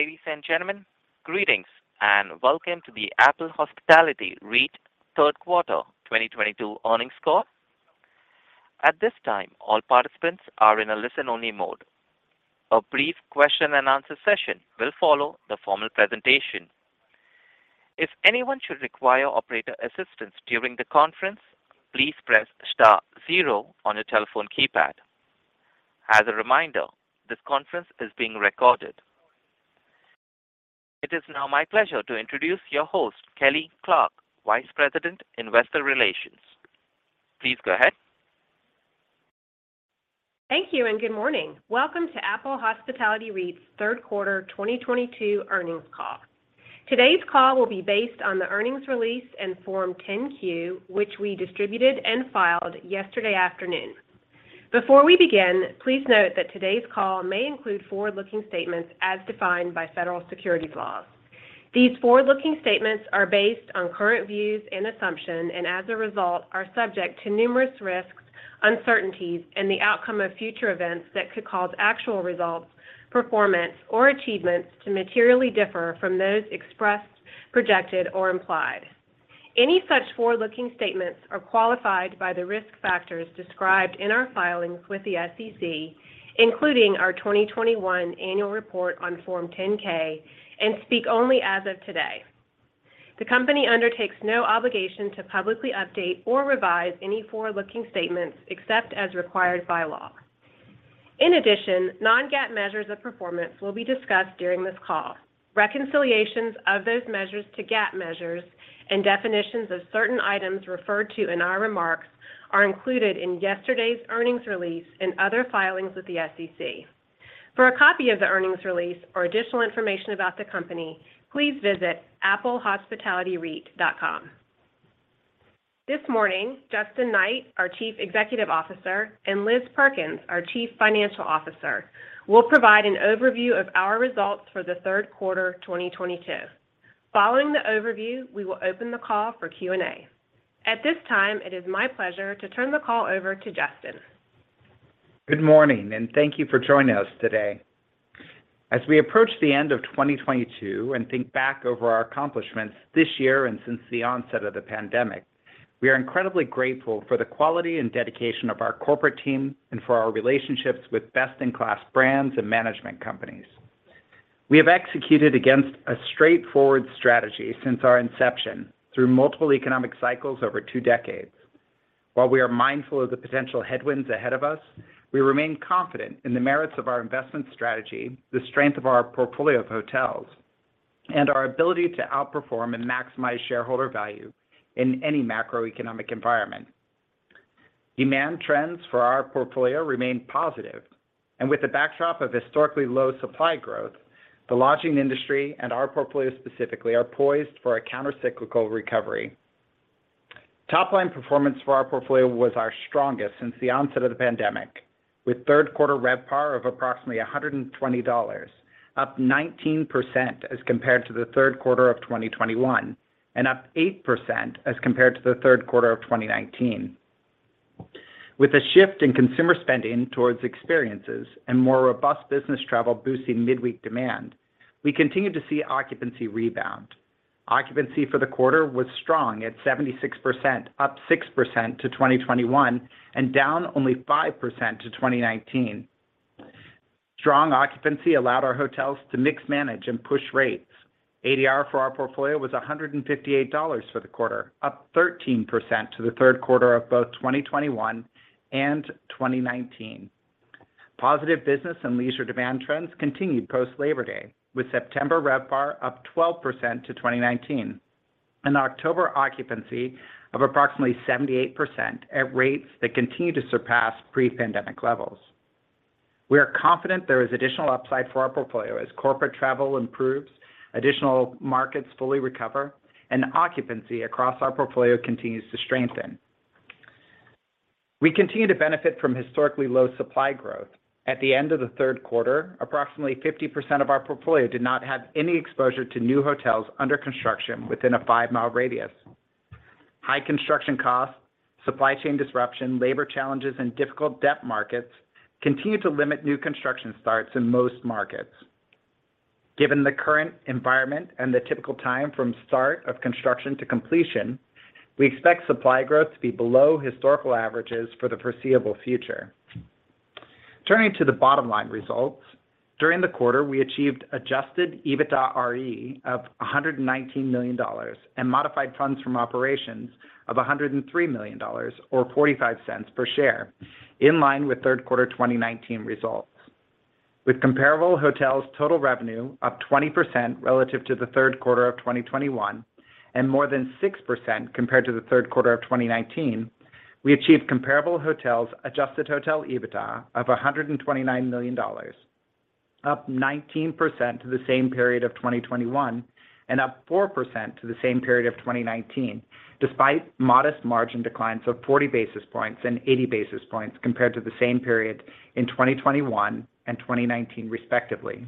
Ladies and gentlemen, greetings and welcome to the Apple Hospitality REIT Third Quarter 2022 Earnings Call. At this time, all participants are in a listen-only mode. A brief question-and-answer session will follow the formal presentation. If anyone should require operator assistance during the conference, please press star zero on your telephone keypad. As a reminder, this conference is being recorded. It is now my pleasure to introduce your host, Kelly Clarke, Vice President, Investor Relations. Please go ahead. Thank you and good morning. Welcome to Apple Hospitality REIT's third quarter 2022 earnings call. Today's call will be based on the earnings release and Form 10-Q, which we distributed and filed yesterday afternoon. Before we begin, please note that today's call may include forward-looking statements as defined by federal securities laws. These forward-looking statements are based on current views and assumptions, and as a result, are subject to numerous risks, uncertainties, and the outcome of future events that could cause actual results, performance, or achievements to materially differ from those expressed, projected, or implied. Any such forward-looking statements are qualified by the risk factors described in our filings with the SEC, including our 2021 annual report on Form 10-K, and speak only as of today. The company undertakes no obligation to publicly update or revise any forward-looking statements except as required by law. In addition, non-GAAP measures of performance will be discussed during this call. Reconciliations of those measures to GAAP measures and definitions of certain items referred to in our remarks are included in yesterday's earnings release and other filings with the SEC. For a copy of the earnings release or additional information about the company, please visit applehospitalityreit.com. This morning, Justin Knight, our Chief Executive Officer, and Liz Perkins, our Chief Financial Officer, will provide an overview of our results for the third quarter 2022. Following the overview, we will open the call for Q&A. At this time, it is my pleasure to turn the call over to Justin. Good morning, and thank you for joining us today. As we approach the end of 2022 and think back over our accomplishments this year and since the onset of the pandemic, we are incredibly grateful for the quality and dedication of our corporate team and for our relationships with best-in-class brands and management companies. We have executed against a straightforward strategy since our inception through multiple economic cycles over two decades. While we are mindful of the potential headwinds ahead of us, we remain confident in the merits of our investment strategy, the strength of our portfolio of hotels, and our ability to outperform and maximize shareholder value in any macroeconomic environment. Demand trends for our portfolio remain positive, and with the backdrop of historically low supply growth, the lodging industry and our portfolio specifically are poised for a countercyclical recovery. Top line performance for our portfolio was our strongest since the onset of the pandemic, with third quarter RevPAR of approximately $120, up 19% as compared to the third quarter of 2021, and up 8% as compared to the third quarter of 2019. With a shift in consumer spending towards experiences and more robust business travel boosting midweek demand, we continued to see occupancy rebound. Occupancy for the quarter was strong at 76%, up 6% to 2021 and down only 5% to 2019. Strong occupancy allowed our hotels to mix, manage, and push rates. ADR for our portfolio was $158 for the quarter, up 13% to the third quarter of both 2021 and 2019. Positive business and leisure demand trends continued post Labor Day, with September RevPAR up 12% to 2019 and October occupancy of approximately 78% at rates that continue to surpass pre-pandemic levels. We are confident there is additional upside for our portfolio as corporate travel improves, additional markets fully recover, and occupancy across our portfolio continues to strengthen. We continue to benefit from historically low supply growth. At the end of the third quarter, approximately 50% of our portfolio did not have any exposure to new hotels under construction within a 5-mile radius. High construction costs, supply chain disruption, labor challenges, and difficult debt markets continue to limit new construction starts in most markets. Given the current environment and the typical time from start of construction to completion, we expect supply growth to be below historical averages for the foreseeable future. Turning to the bottom line results, during the quarter, we achieved adjusted EBITDAre of $119 million and modified funds from operations of $103 million or $0.45 per share, in line with third quarter 2019 results. With comparable hotels total revenue up 20% relative to the third quarter of 2021 and more than 6% compared to the third quarter of 2019, we achieved comparable hotels adjusted hotel EBITDAre of $129 million, up 19% to the same period of 2021 and up 4% to the same period of 2019, despite modest margin declines of 40 basis points and 80 basis points compared to the same period in 2021 and 2019, respectively.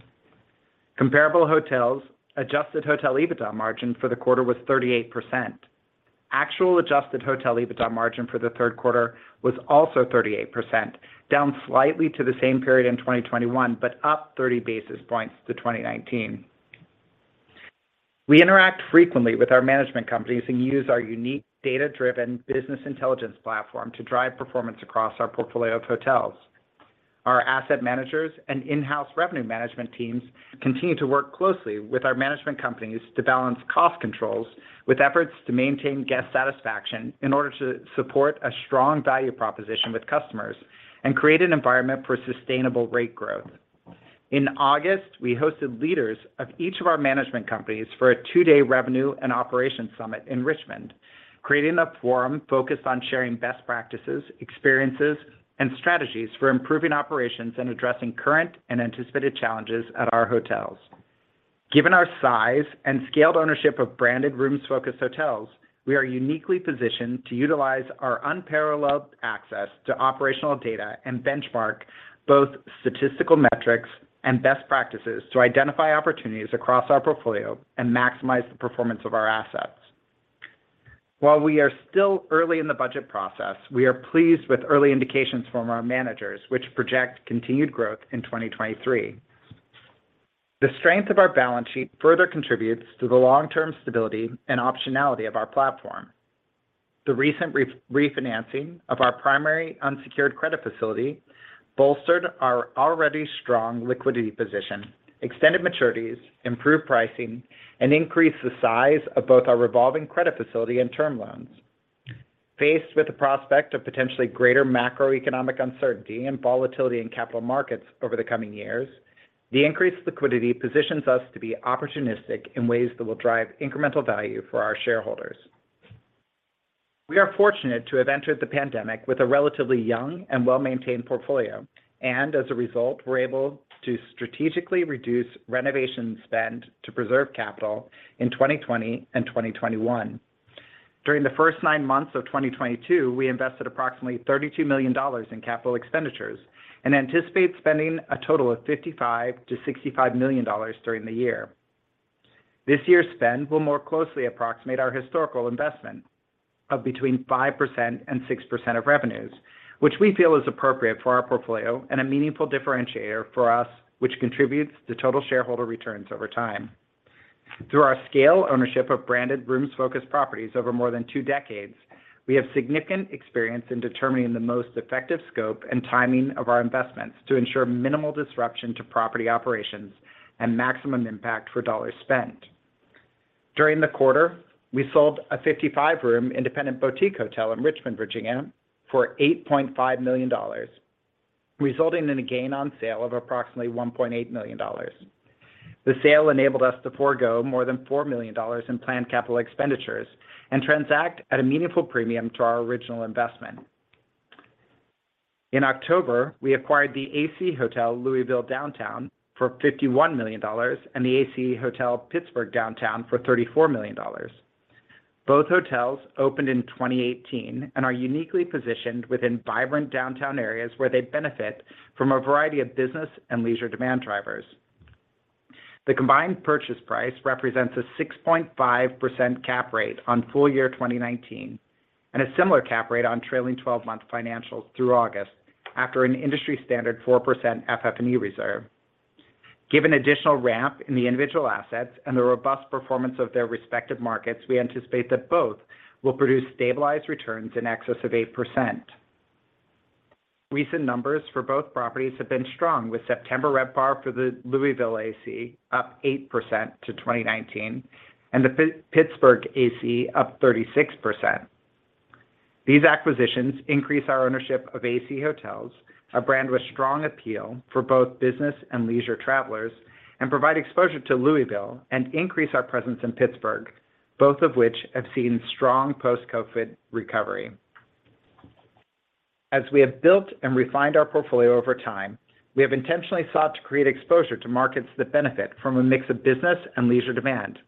Comparable hotels adjusted hotel EBITDA margin for the quarter was 38%. Actual adjusted hotel EBITDA margin for the third quarter was also 38%, down slightly from the same period in 2021, but up 30 basis points from 2019. We interact frequently with our management companies and use our unique data-driven business intelligence platform to drive performance across our portfolio of hotels. Our asset managers and in-house revenue management teams continue to work closely with our management companies to balance cost controls with efforts to maintain guest satisfaction in order to support a strong value proposition with customers and create an environment for sustainable rate growth. In August, we hosted leaders of each of our management companies for a two-day revenue and operations summit in Richmond, creating a forum focused on sharing best practices, experiences, and strategies for improving operations and addressing current and anticipated challenges at our hotels. Given our size and scaled ownership of branded rooms-focused hotels, we are uniquely positioned to utilize our unparalleled access to operational data and benchmark both statistical metrics and best practices to identify opportunities across our portfolio and maximize the performance of our assets. While we are still early in the budget process, we are pleased with early indications from our managers, which project continued growth in 2023. The strength of our balance sheet further contributes to the long-term stability and optionality of our platform. The recent re-refinancing of our primary unsecured credit facility bolstered our already strong liquidity position, extended maturities, improved pricing, and increased the size of both our revolving credit facility and term loans. Faced with the prospect of potentially greater macroeconomic uncertainty and volatility in capital markets over the coming years, the increased liquidity positions us to be opportunistic in ways that will drive incremental value for our shareholders. We are fortunate to have entered the pandemic with a relatively young and well-maintained portfolio, and as a result, were able to strategically reduce renovation spend to preserve capital in 2020 and 2021. During the first nine months of 2022, we invested approximately $32 million in capital expenditures and anticipate spending a total of $55 million-$65 million during the year. This year's spend will more closely approximate our historical investment of between 5% and 6% of revenues, which we feel is appropriate for our portfolio and a meaningful differentiator for us, which contributes to total shareholder returns over time. Through our scale ownership of branded rooms-focused properties over more than two decades, we have significant experience in determining the most effective scope and timing of our investments to ensure minimal disruption to property operations and maximum impact for dollars spent. During the quarter, we sold a 55-room independent boutique hotel in Richmond, Virginia, for $8.5 million, resulting in a gain on sale of approximately $1.8 million. The sale enabled us to forego more than $4 million in planned capital expenditures and transact at a meaningful premium to our original investment. In October, we acquired the AC Hotel Louisville Downtown for $51 million and the AC Hotel Pittsburgh Downtown for $34 million. Both hotels opened in 2018 and are uniquely positioned within vibrant downtown areas where they benefit from a variety of business and leisure demand drivers. The combined purchase price represents a 6.5% cap rate on full year 2019 and a similar cap rate on trailing twelve-month financials through August after an industry standard 4% FF&E reserve. Given additional ramp in the individual assets and the robust performance of their respective markets, we anticipate that both will produce stabilized returns in excess of 8%. Recent numbers for both properties have been strong, with September RevPAR for the Louisville AC up 8% to 2019 and the Pittsburgh AC up 36%. These acquisitions increase our ownership of AC Hotels, a brand with strong appeal for both business and leisure travelers, and provide exposure to Louisville and increase our presence in Pittsburgh, both of which have seen strong post-COVID recovery. As we have built and refined our portfolio over time, we have intentionally sought to create exposure to markets that benefit from a mix of business and leisure demand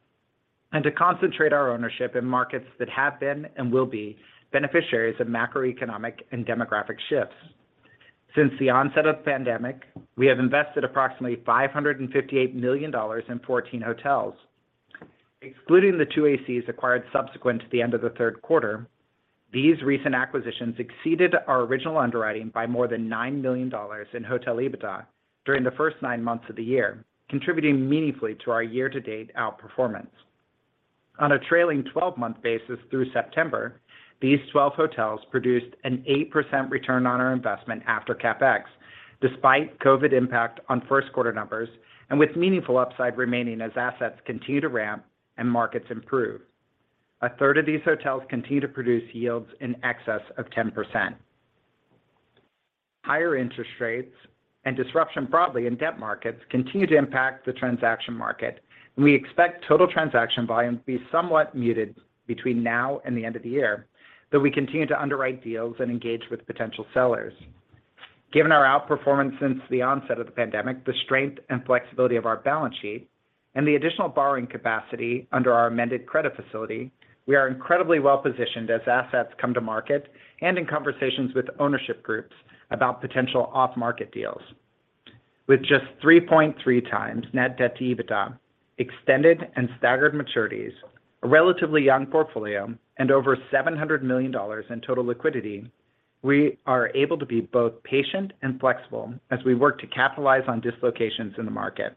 and to concentrate our ownership in markets that have been and will be beneficiaries of macroeconomic and demographic shifts. Since the onset of the pandemic, we have invested approximately $558 million in 14 hotels. Excluding the two ACs acquired subsequent to the end of the third quarter, these recent acquisitions exceeded our original underwriting by more than $9 million in hotel EBITDA during the first 9 months of the year, contributing meaningfully to our year-to-date outperformance. On a trailing twelve-month basis through September, these 12 hotels produced an 8% return on our investment after CapEx, despite COVID impact on first quarter numbers and with meaningful upside remaining as assets continue to ramp and markets improve. A third of these hotels continue to produce yields in excess of 10%. Higher interest rates and disruption broadly in debt markets continue to impact the transaction market, and we expect total transaction volume to be somewhat muted between now and the end of the year, though we continue to underwrite deals and engage with potential sellers. Given our outperformance since the onset of the pandemic, the strength and flexibility of our balance sheet, and the additional borrowing capacity under our amended credit facility, we are incredibly well-positioned as assets come to market and in conversations with ownership groups about potential off-market deals. With just 3.3 times net debt to EBITDA, extended and staggered maturities, a relatively young portfolio, and over $700 million in total liquidity, we are able to be both patient and flexible as we work to capitalize on dislocations in the market.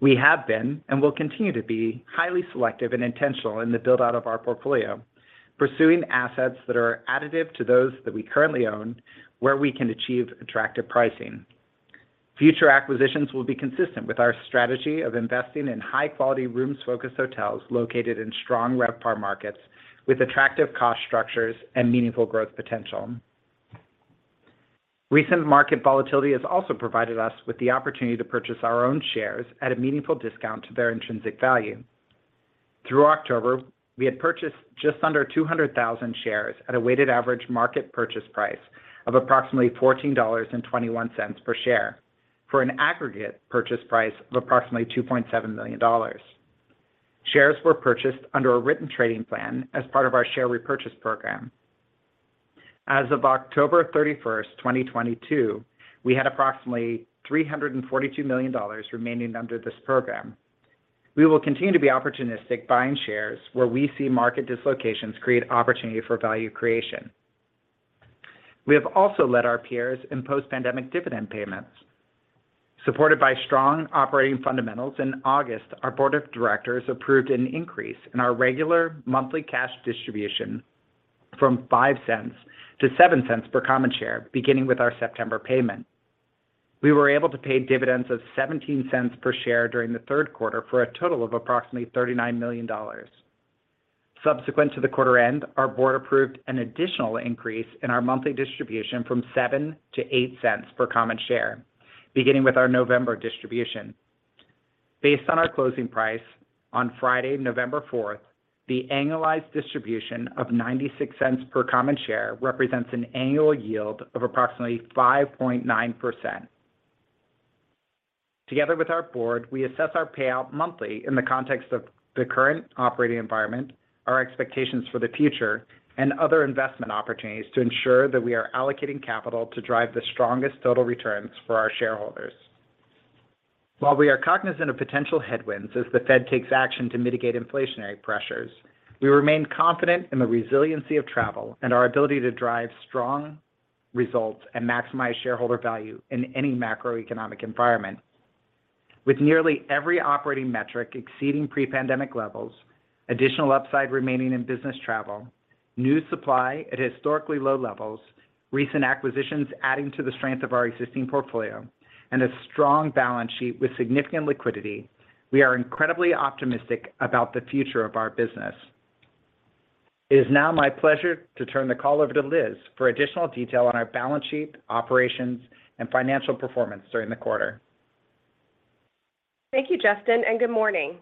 We have been and will continue to be highly selective and intentional in the build-out of our portfolio, pursuing assets that are additive to those that we currently own where we can achieve attractive pricing. Future acquisitions will be consistent with our strategy of investing in high-quality rooms-focused hotels located in strong RevPAR markets with attractive cost structures and meaningful growth potential. Recent market volatility has also provided us with the opportunity to purchase our own shares at a meaningful discount to their intrinsic value. Through October, we had purchased just under 200,000 shares at a weighted average market purchase price of approximately $14.21 per share for an aggregate purchase price of approximately $2.7 million. Shares were purchased under a written trading plan as part of our share repurchase program. As of October 31st, 2022, we had approximately $342 million remaining under this program. We will continue to be opportunistic buying shares where we see market dislocations create opportunity for value creation. We have also led our peers in post-pandemic dividend payments. Supported by strong operating fundamentals in August, our board of directors approved an increase in our regular monthly cash distribution from $0.05 to $0.07 per common share, beginning with our September payment. We were able to pay dividends of $0.17 per share during the third quarter for a total of approximately $39 million. Subsequent to the quarter end, our board approved an additional increase in our monthly distribution from $0.07 to $0.08 per common share, beginning with our November distribution. Based on our closing price on Friday, November 4, the annualized distribution of $0.96 per common share represents an annual yield of approximately 5.9%. Together with our board, we assess our payout monthly in the context of the current operating environment, our expectations for the future, and other investment opportunities to ensure that we are allocating capital to drive the strongest total returns for our shareholders. While we are cognizant of potential headwinds as the Fed takes action to mitigate inflationary pressures, we remain confident in the resiliency of travel and our ability to drive strong results and maximize shareholder value in any macroeconomic environment. With nearly every operating metric exceeding pre-pandemic levels, additional upside remaining in business travel, new supply at historically low levels, recent acquisitions adding to the strength of our existing portfolio, and a strong balance sheet with significant liquidity, we are incredibly optimistic about the future of our business. It is now my pleasure to turn the call over to Liz for additional detail on our balance sheet, operations, and financial performance during the quarter. Thank you, Justin, and good morning.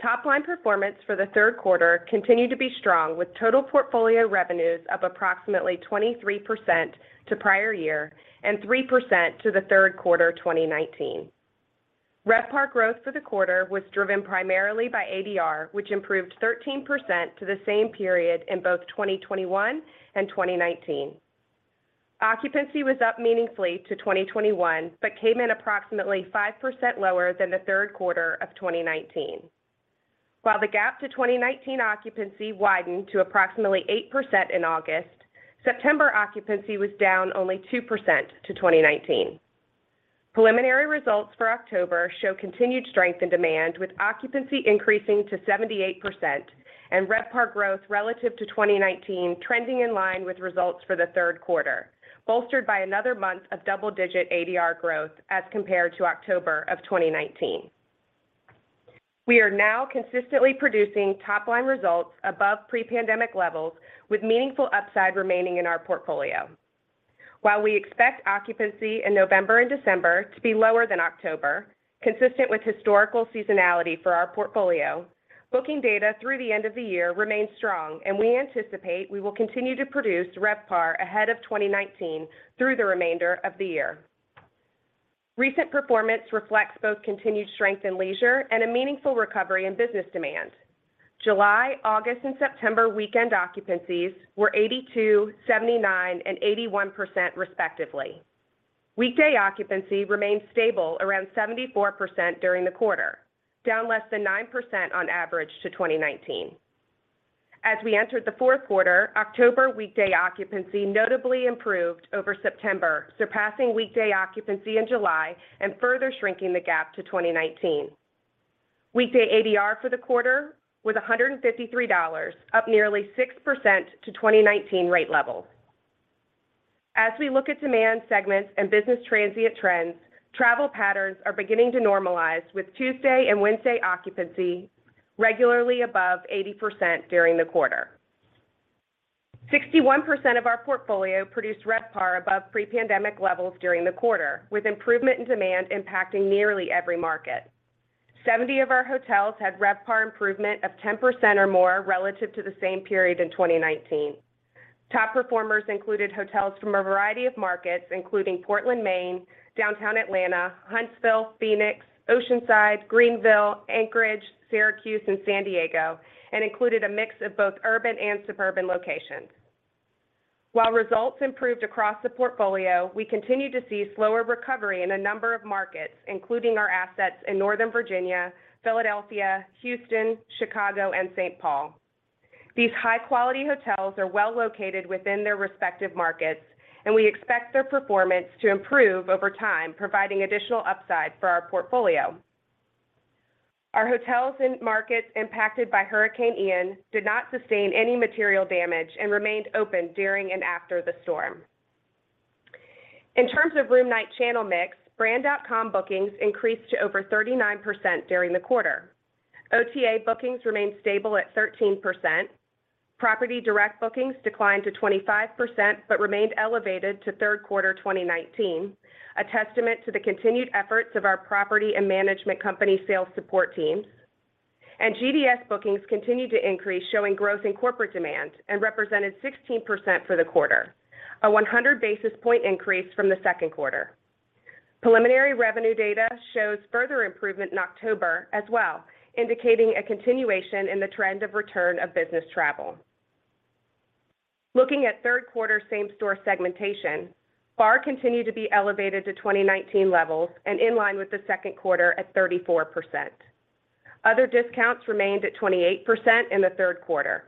Top-line performance for the third quarter continued to be strong with total portfolio revenues up approximately 23% to prior year and 3% to the third quarter 2019. RevPAR growth for the quarter was driven primarily by ADR, which improved 13% to the same period in both 2021 and 2019. Occupancy was up meaningfully to 2021, but came in approximately 5% lower than the third quarter of 2019. While the gap to 2019 occupancy widened to approximately 8% in August, September occupancy was down only 2% to 2019. Preliminary results for October show continued strength in demand, with occupancy increasing to 78% and RevPAR growth relative to 2019 trending in line with results for the third quarter, bolstered by another month of double-digit ADR growth as compared to October of 2019. We are now consistently producing top-line results above pre-pandemic levels with meaningful upside remaining in our portfolio. While we expect occupancy in November and December to be lower than October, consistent with historical seasonality for our portfolio, booking data through the end of the year remains strong, and we anticipate we will continue to produce RevPAR ahead of 2019 through the remainder of the year. Recent performance reflects both continued strength in leisure and a meaningful recovery in business demand. July, August, and September weekend occupancies were 82%, 79%, and 81%, respectively. Weekday occupancy remained stable around 74% during the quarter, down less than 9% on average to 2019. As we entered the fourth quarter, October weekday occupancy notably improved over September, surpassing weekday occupancy in July and further shrinking the gap to 2019. Weekday ADR for the quarter was $153, up nearly 6% to 2019 rate levels. As we look at demand segments and business transient trends, travel patterns are beginning to normalize with Tuesday and Wednesday occupancy regularly above 80% during the quarter. 61% of our portfolio produced RevPAR above pre-pandemic levels during the quarter, with improvement in demand impacting nearly every market. Seventy of our hotels had RevPAR improvement of 10% or more relative to the same period in 2019. Top performers included hotels from a variety of markets, including Portland, Maine, Downtown Atlanta, Huntsville, Phoenix, Oceanside, Greenville, Anchorage, Syracuse, and San Diego, and included a mix of both urban and suburban locations. While results improved across the portfolio, we continue to see slower recovery in a number of markets, including our assets in Northern Virginia, Philadelphia, Houston, Chicago, and St. Paul. These high-quality hotels are well-located within their respective markets, and we expect their performance to improve over time, providing additional upside for our portfolio. Our hotels in markets impacted by Hurricane Ian did not sustain any material damage and remained open during and after the storm. In terms of room night channel mix, brand.com bookings increased to over 39% during the quarter. OTA bookings remained stable at 13%. Property direct bookings declined to 25% but remained elevated to third quarter 2019, a testament to the continued efforts of our property and management company sales support teams. GDS bookings continued to increase, showing growth in corporate demand and represented 16% for the quarter, a 100 basis point increase from the second quarter. Preliminary revenue data shows further improvement in October as well, indicating a continuation in the trend of return of business travel. Looking at third quarter same-store segmentation, BAR continued to be elevated to 2019 levels and in line with the second quarter at 34%. Other discounts remained at 28% in the third quarter.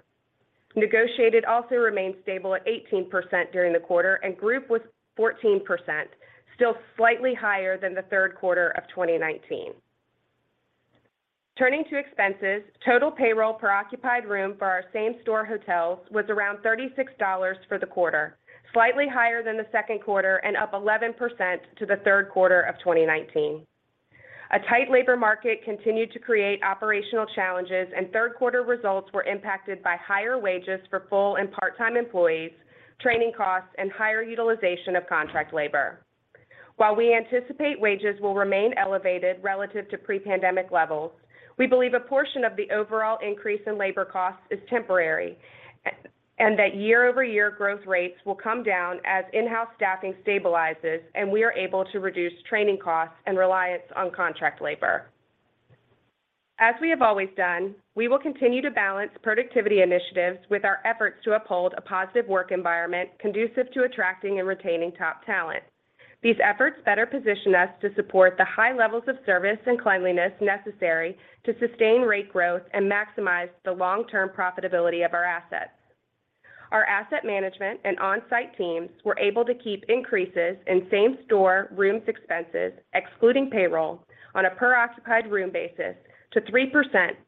Negotiated also remained stable at 18% during the quarter, and group was 14%, still slightly higher than the third quarter of 2019. Turning to expenses, total payroll per occupied room for our same-store hotels was around $36 for the quarter, slightly higher than the second quarter and up 11% to the third quarter of 2019. A tight labor market continued to create operational challenges, and third quarter results were impacted by higher wages for full and part-time employees, training costs, and higher utilization of contract labor. While we anticipate wages will remain elevated relative to pre-pandemic levels, we believe a portion of the overall increase in labor costs is temporary and that year-over-year growth rates will come down as in-house staffing stabilizes and we are able to reduce training costs and reliance on contract labor. As we have always done, we will continue to balance productivity initiatives with our efforts to uphold a positive work environment conducive to attracting and retaining top talent. These efforts better position us to support the high levels of service and cleanliness necessary to sustain rate growth and maximize the long-term profitability of our assets. Our asset management and on-site teams were able to keep increases in same-store rooms expenses, excluding payroll, on a per occupied room basis to 3%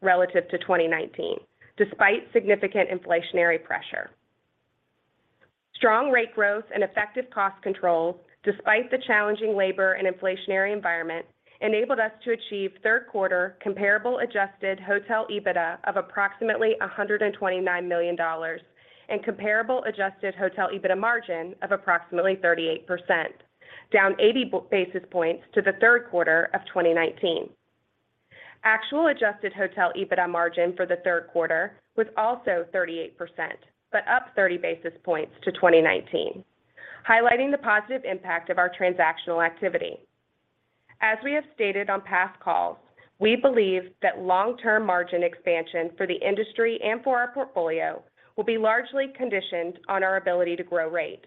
relative to 2019, despite significant inflationary pressure. Strong rate growth and effective cost control, despite the challenging labor and inflationary environment, enabled us to achieve third quarter comparable adjusted hotel EBITDA of approximately $129 million and comparable adjusted hotel EBITDA margin of approximately 38%, down 80 basis points to the third quarter of 2019. Actual adjusted hotel EBITDA margin for the third quarter was also 38%, but up 30 basis points to 2019, highlighting the positive impact of our transactional activity. As we have stated on past calls, we believe that long-term margin expansion for the industry and for our portfolio will be largely conditioned on our ability to grow rate.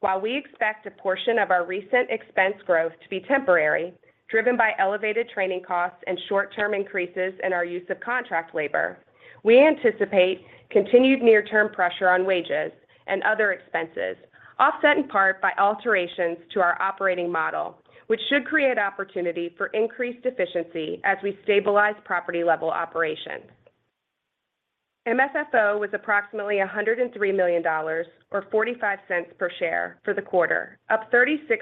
While we expect a portion of our recent expense growth to be temporary, driven by elevated training costs and short-term increases in our use of contract labor, we anticipate continued near-term pressure on wages and other expenses, offset in part by alterations to our operating model, which should create opportunity for increased efficiency as we stabilize property-level operations. MFFO was approximately $103 million or $0.45 per share for the quarter, up 36%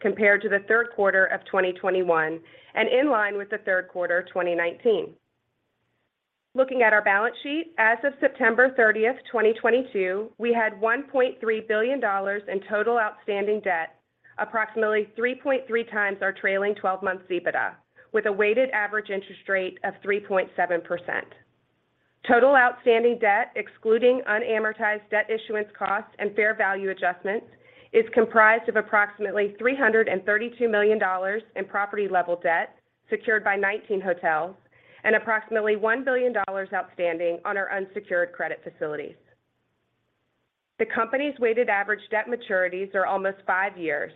compared to the third quarter of 2021 and in line with the third quarter of 2019. Looking at our balance sheet, as of September 30, 2022, we had $1.3 billion in total outstanding debt, approximately 3.3 times our trailing twelve-month EBITDA, with a weighted average interest rate of 3.7%. Total outstanding debt, excluding unamortized debt issuance costs and fair value adjustments, is comprised of approximately $332 million in property-level debt secured by 19 hotels and approximately $1 billion outstanding on our unsecured credit facilities. The company's weighted average debt maturities are almost 5 years.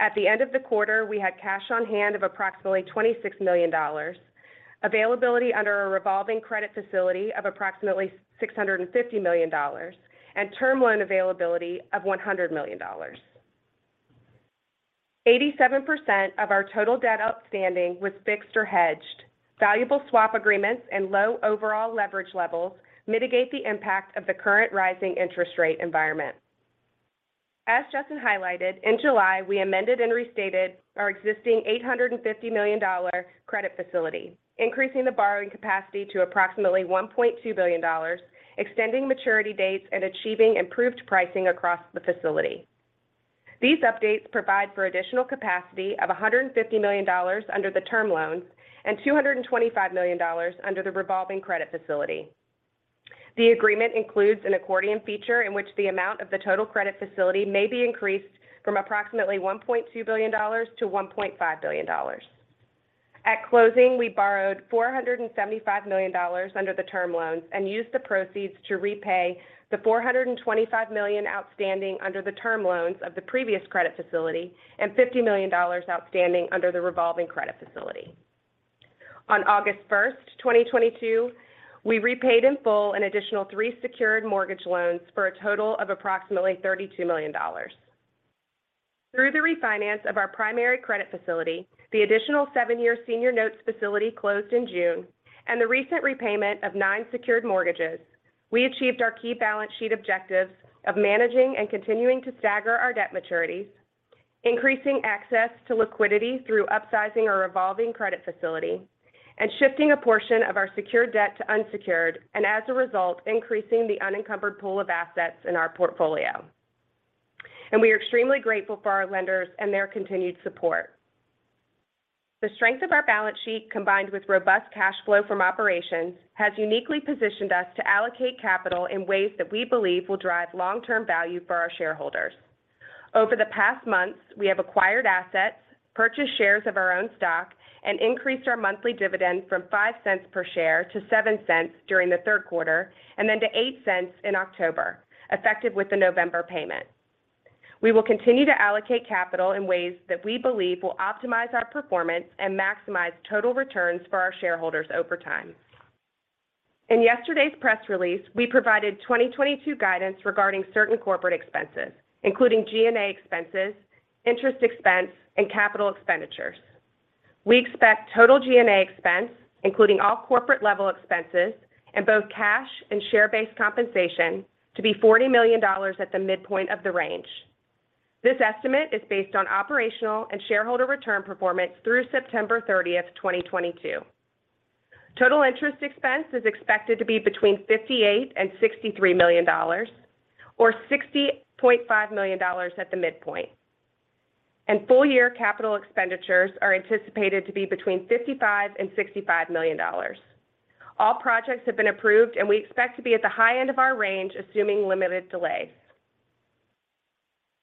At the end of the quarter, we had cash on hand of approximately $26 million, availability under a revolving credit facility of approximately $650 million, and term loan availability of $100 million. 87% of our total debt outstanding was fixed or hedged. Valuable swap agreements and low overall leverage levels mitigate the impact of the current rising interest rate environment. As Justin highlighted, in July, we amended and restated our existing $850 million credit facility, increasing the borrowing capacity to approximately $1.2 billion, extending maturity dates, and achieving improved pricing across the facility. These updates provide for additional capacity of $150 million under the term loans and $225 million under the revolving credit facility. The agreement includes an accordion feature in which the amount of the total credit facility may be increased from approximately $1.2 billion to $1.5 billion. At closing, we borrowed $475 million under the term loans and used the proceeds to repay the $425 million outstanding under the term loans of the previous credit facility and $50 million outstanding under the revolving credit facility. On August 1, 2022, we repaid in full an additional three secured mortgage loans for a total of approximately $32 million. Through the refinance of our primary credit facility, the additional seven-year senior notes facility closed in June, and the recent repayment of 9 secured mortgages, we achieved our key balance sheet objectives of managing and continuing to stagger our debt maturities, increasing access to liquidity through upsizing our revolving credit facility, and shifting a portion of our secured debt to unsecured, and as a result, increasing the unencumbered pool of assets in our portfolio. We are extremely grateful for our lenders and their continued support. The strength of our balance sheet, combined with robust cash flow from operations, has uniquely positioned us to allocate capital in ways that we believe will drive long-term value for our shareholders. Over the past months, we have acquired assets, purchased shares of our own stock, and increased our monthly dividend from $0.05 per share to $0.07 during the third quarter and then to $0.08 in October, effective with the November payment. We will continue to allocate capital in ways that we believe will optimize our performance and maximize total returns for our shareholders over time. In yesterday's press release, we provided 2022 guidance regarding certain corporate expenses, including G&A expenses, interest expense, and capital expenditures. We expect total G&A expense, including all corporate level expenses in both cash and share-based compensation, to be $40 million at the midpoint of the range. This estimate is based on operational and shareholder return performance through September 30, 2022. Total interest expense is expected to be between $58 million and $63 million or $60.5 million at the midpoint. Full year capital expenditures are anticipated to be between $55 million and $65 million. All projects have been approved, and we expect to be at the high end of our range, assuming limited delays.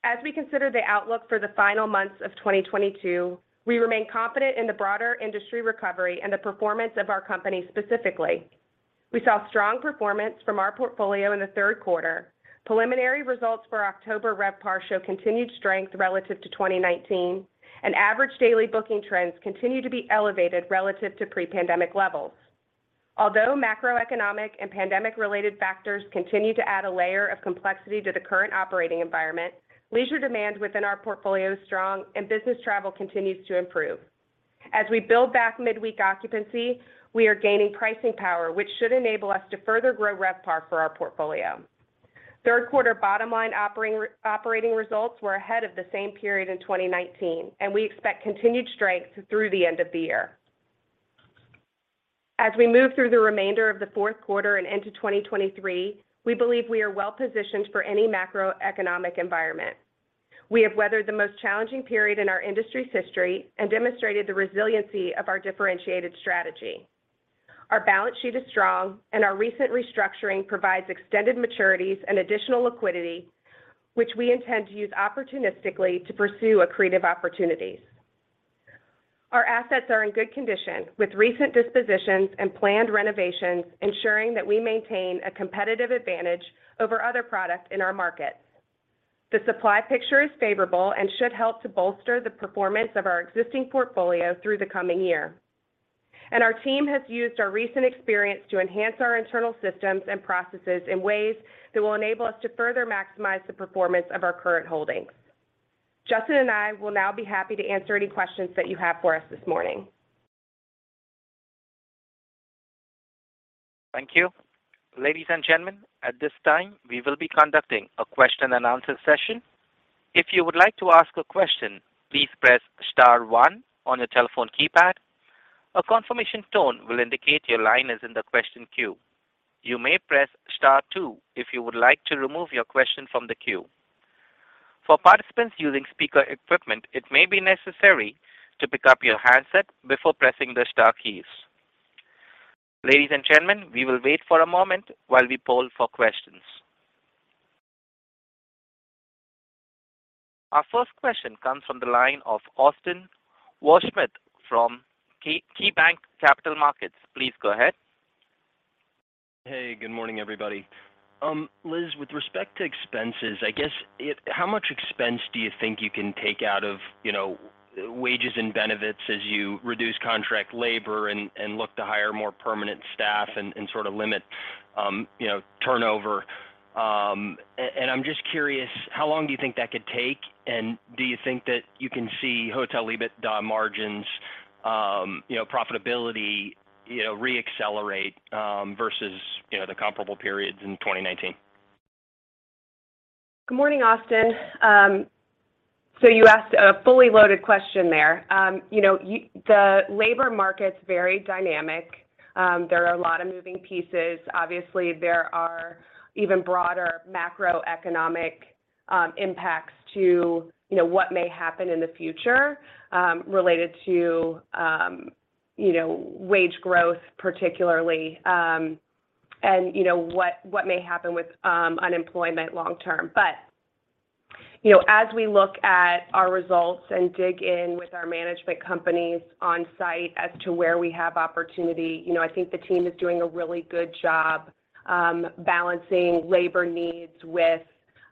As we consider the outlook for the final months of 2022, we remain confident in the broader industry recovery and the performance of our company specifically. We saw strong performance from our portfolio in the third quarter. Preliminary results for October RevPAR show continued strength relative to 2019, and average daily booking trends continue to be elevated relative to pre-pandemic levels. Although macroeconomic and pandemic-related factors continue to add a layer of complexity to the current operating environment, leisure demand within our portfolio is strong and business travel continues to improve. As we build back midweek occupancy, we are gaining pricing power, which should enable us to further grow RevPAR for our portfolio. Third quarter bottom line operating results were ahead of the same period in 2019, and we expect continued strength through the end of the year. As we move through the remainder of the fourth quarter and into 2023, we believe we are well positioned for any macroeconomic environment. We have weathered the most challenging period in our industry's history and demonstrated the resiliency of our differentiated strategy. Our balance sheet is strong, and our recent restructuring provides extended maturities and additional liquidity, which we intend to use opportunistically to pursue accretive opportunities. Our assets are in good condition, with recent dispositions and planned renovations ensuring that we maintain a competitive advantage over other products in our markets. The supply picture is favorable and should help to bolster the performance of our existing portfolio through the coming year. Our team has used our recent experience to enhance our internal systems and processes in ways that will enable us to further maximize the performance of our current holdings. Justin and I will now be happy to answer any questions that you have for us this morning. Thank you. Ladies and gentlemen, at this time, we will be conducting a question and answer session. If you would like to ask a question, please press star one on your telephone keypad. A confirmation tone will indicate your line is in the question queue. You may press star two if you would like to remove your question from the queue. For participants using speaker equipment, it may be necessary to pick up your handset before pressing the star keys. Ladies and gentlemen, we will wait for a moment while we poll for questions. Our first question comes from the line of Austin Wurschmidt from KeyBanc Capital Markets. Please go ahead. Hey, good morning, everybody. Liz, with respect to expenses, how much expense do you think you can take out of, you know, wages and benefits as you reduce contract labor and look to hire more permanent staff and sort of limit, you know, turnover? I'm just curious, how long do you think that could take? Do you think that you can see hotel EBITDA margins, you know, profitability, you know, re-accelerate versus, you know, the comparable periods in 2019? Good morning, Austin. You asked a fully loaded question there. You know, the labor market's very dynamic. There are a lot of moving pieces. Obviously, there are even broader macroeconomic impacts to, you know, what may happen in the future, related to, you know, wage growth particularly, and you know, what may happen with unemployment long term. You know, as we look at our results and dig in with our management companies on site as to where we have opportunity, you know, I think the team is doing a really good job, balancing labor needs with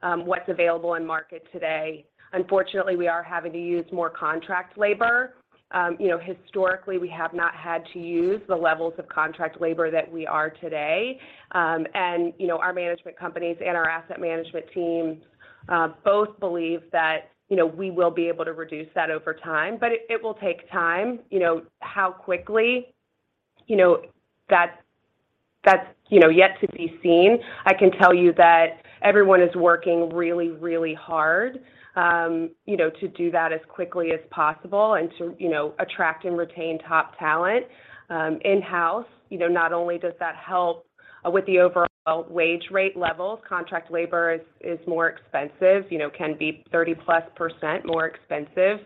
what's available in market today. Unfortunately, we are having to use more contract labor. You know, historically, we have not had to use the levels of contract labor that we are today, and you know, our management companies and our asset management teams both believe that, you know, we will be able to reduce that over time. It will take time, you know, how quickly, you know, that's yet to be seen. I can tell you that everyone is working really, really hard, you know, to do that as quickly as possible and to, you know, attract and retain top talent in-house. You know, not only does that help with the overall wage rate levels, contract labor is more expensive, you know, can be 30%+ more expensive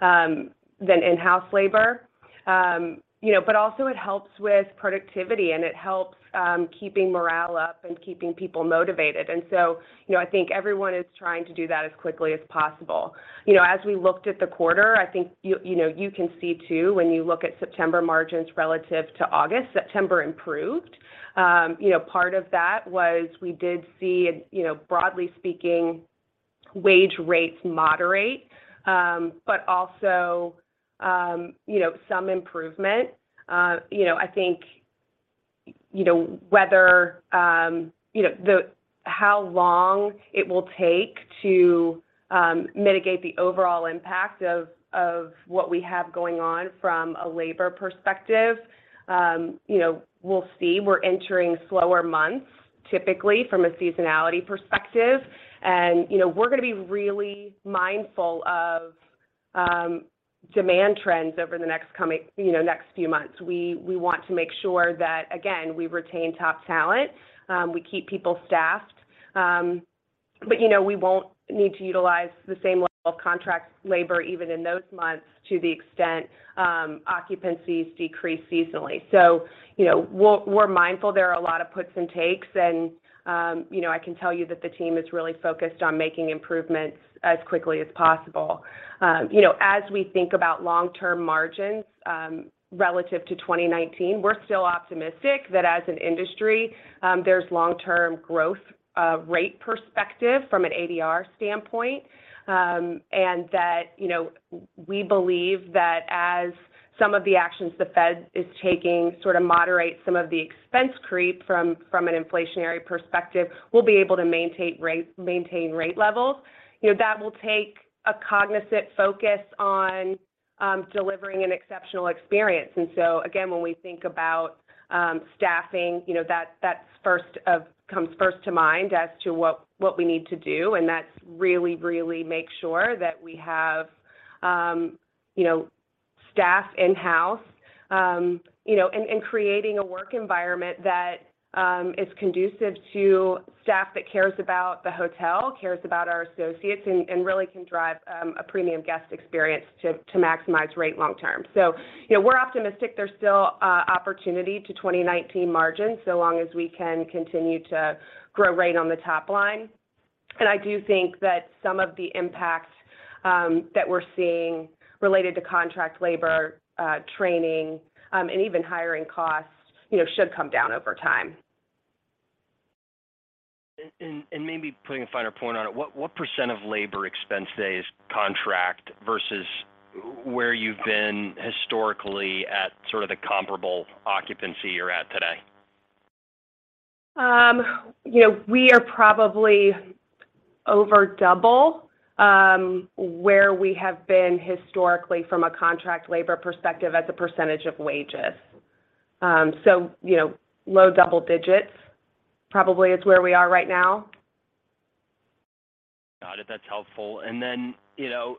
than in-house labor. You know, also it helps with productivity, and it helps keeping morale up and keeping people motivated. I think everyone is trying to do that as quickly as possible. You know, as we looked at the quarter, I think you know you can see too, when you look at September margins relative to August, September improved. You know, part of that was we did see, you know, broadly speaking, wage rates moderate, but also, you know, some improvement. You know, I think, you know, whether, you know, how long it will take to mitigate the overall impact of what we have going on from a labor perspective, you know, we'll see. We're entering slower months, typically from a seasonality perspective, and, you know, we're gonna be really mindful of demand trends over the next coming, you know, next few months. We want to make sure that, again, we retain top talent, we keep people staffed, but, you know, we won't need to utilize the same level of contract labor even in those months to the extent occupancies decrease seasonally. You know, we're mindful there are a lot of puts and takes and, you know, I can tell you that the team is really focused on making improvements as quickly as possible. You know, as we think about long-term margins, relative to 2019, we're still optimistic that as an industry, there's long-term growth rate perspective from an ADR standpoint, and that, you know, we believe that as some of the actions the Fed is taking sort of moderate some of the expense creep from an inflationary perspective, we'll be able to maintain rate levels. You know, that will take a cognizant focus on delivering an exceptional experience. Again, when we think about staffing, you know, that's comes first to mind as to what we need to do, and that's really make sure that we have, you know, staff in-house, you know, and creating a work environment that is conducive to staff that cares about the hotel, cares about our associates and really can drive a premium guest experience to maximize rate long term. You know, we're optimistic there's still opportunity to 2019 margins, so long as we can continue to grow rate on the top line. I do think that some of the impact that we're seeing related to contract labor, training, and even hiring costs, you know, should come down over time. Maybe putting a finer point on it, what percent of labor expense today is contract versus where you've been historically at sort of the comparable occupancy you're at today? You know, we are probably over double, where we have been historically from a contract labor perspective as a percentage of wages. You know, low double digits probably is where we are right now. Got it. That's helpful. Then, you know,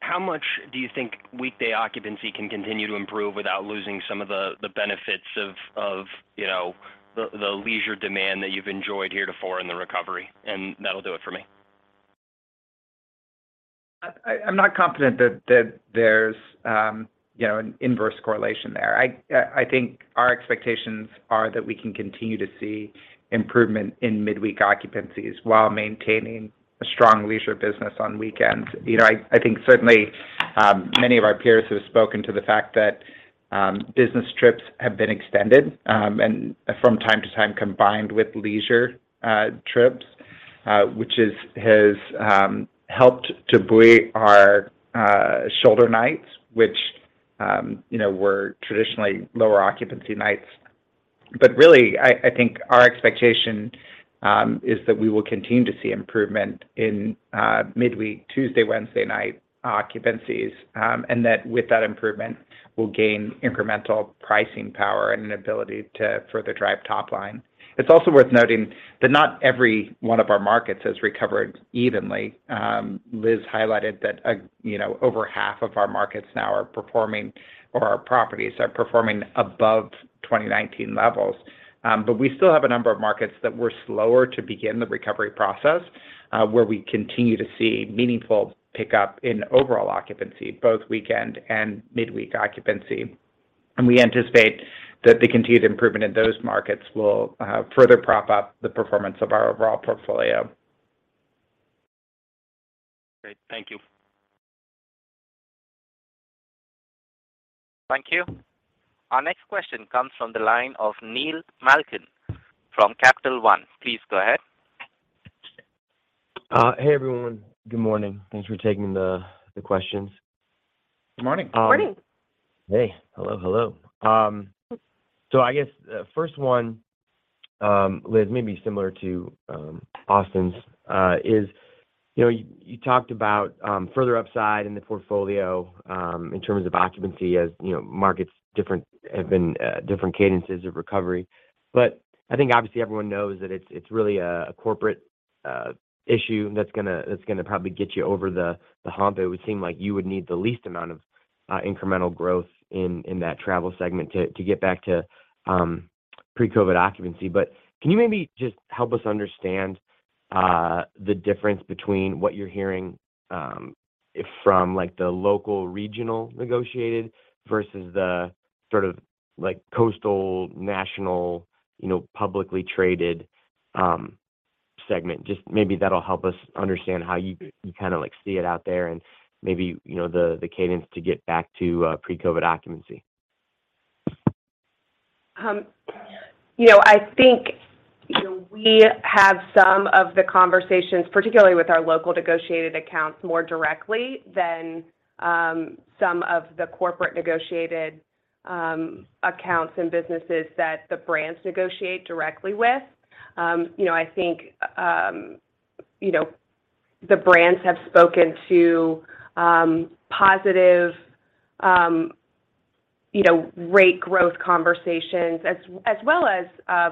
how much do you think weekday occupancy can continue to improve without losing some of the benefits of, you know, the leisure demand that you've enjoyed heretofore in the recovery? That'll do it for me. I'm not confident that there's, you know, an inverse correlation there. I think our expectations are that we can continue to see improvement in midweek occupancies while maintaining a strong leisure business on weekends. You know, I think certainly many of our peers have spoken to the fact that business trips have been extended and from time to time, combined with leisure trips, which has helped to buoy our shoulder nights, which, you know, were traditionally lower occupancy nights. Really, I think our expectation is that we will continue to see improvement in midweek Tuesday, Wednesday night occupancies and that with that improvement, we'll gain incremental pricing power and an ability to further drive top line. It's also worth noting that not every one of our markets has recovered evenly. Liz highlighted that, you know, over half of our markets now are performing, or our properties are performing above 2019 levels. We still have a number of markets that were slower to begin the recovery process, where we continue to see meaningful pickup in overall occupancy, both weekend and midweek occupancy. We anticipate that the continued improvement in those markets will further prop up the performance of our overall portfolio. Great. Thank you. Thank you. Our next question comes from the line of Neil Malkin from Capital One. Please go ahead. Hey, everyone. Good morning. Thanks for taking the questions. Good morning. Good morning. Hey. Hello, hello. I guess first one, Liz, maybe similar to Austin's, is you know you talked about further upside in the portfolio in terms of occupancy as you know markets have been different cadences of recovery. But I think obviously everyone knows that it's really a corporate issue that's gonna probably get you over the hump. It would seem like you would need the least amount of incremental growth in that travel segment to get back to pre-COVID occupancy. But can you maybe just help us understand the difference between what you're hearing from like the local regional negotiated versus the sort of like coastal national you know publicly traded segment? Just maybe that'll help us understand how you kinda like see it out there and maybe, you know, the cadence to get back to pre-COVID occupancy. You know, I think, you know, we have some of the conversations, particularly with our local negotiated accounts more directly than some of the corporate negotiated accounts and businesses that the brands negotiate directly with. You know, I think, you know, the brands have spoken to positive, you know, rate growth conversations as well as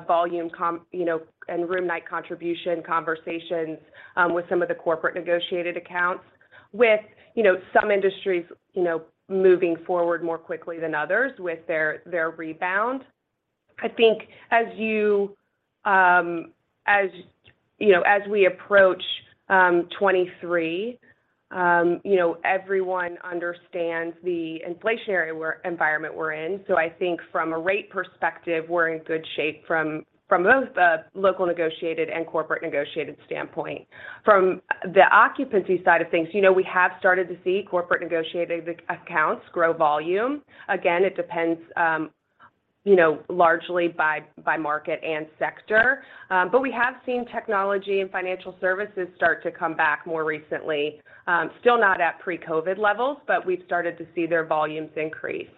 volume, you know, and room night contribution conversations with some of the corporate negotiated accounts with, you know, some industries, you know, moving forward more quickly than others with their rebound. I think as you know, as we approach 2023, you know, everyone understands the inflationary environment we're in. I think from a rate perspective, we're in good shape from both the local negotiated and corporate negotiated standpoint. From the occupancy side of things, you know, we have started to see corporate negotiated accounts grow volume. Again, it depends, you know, largely by market and sector. We have seen technology and financial services start to come back more recently, still not at pre-COVID levels, but we've started to see their volumes increase.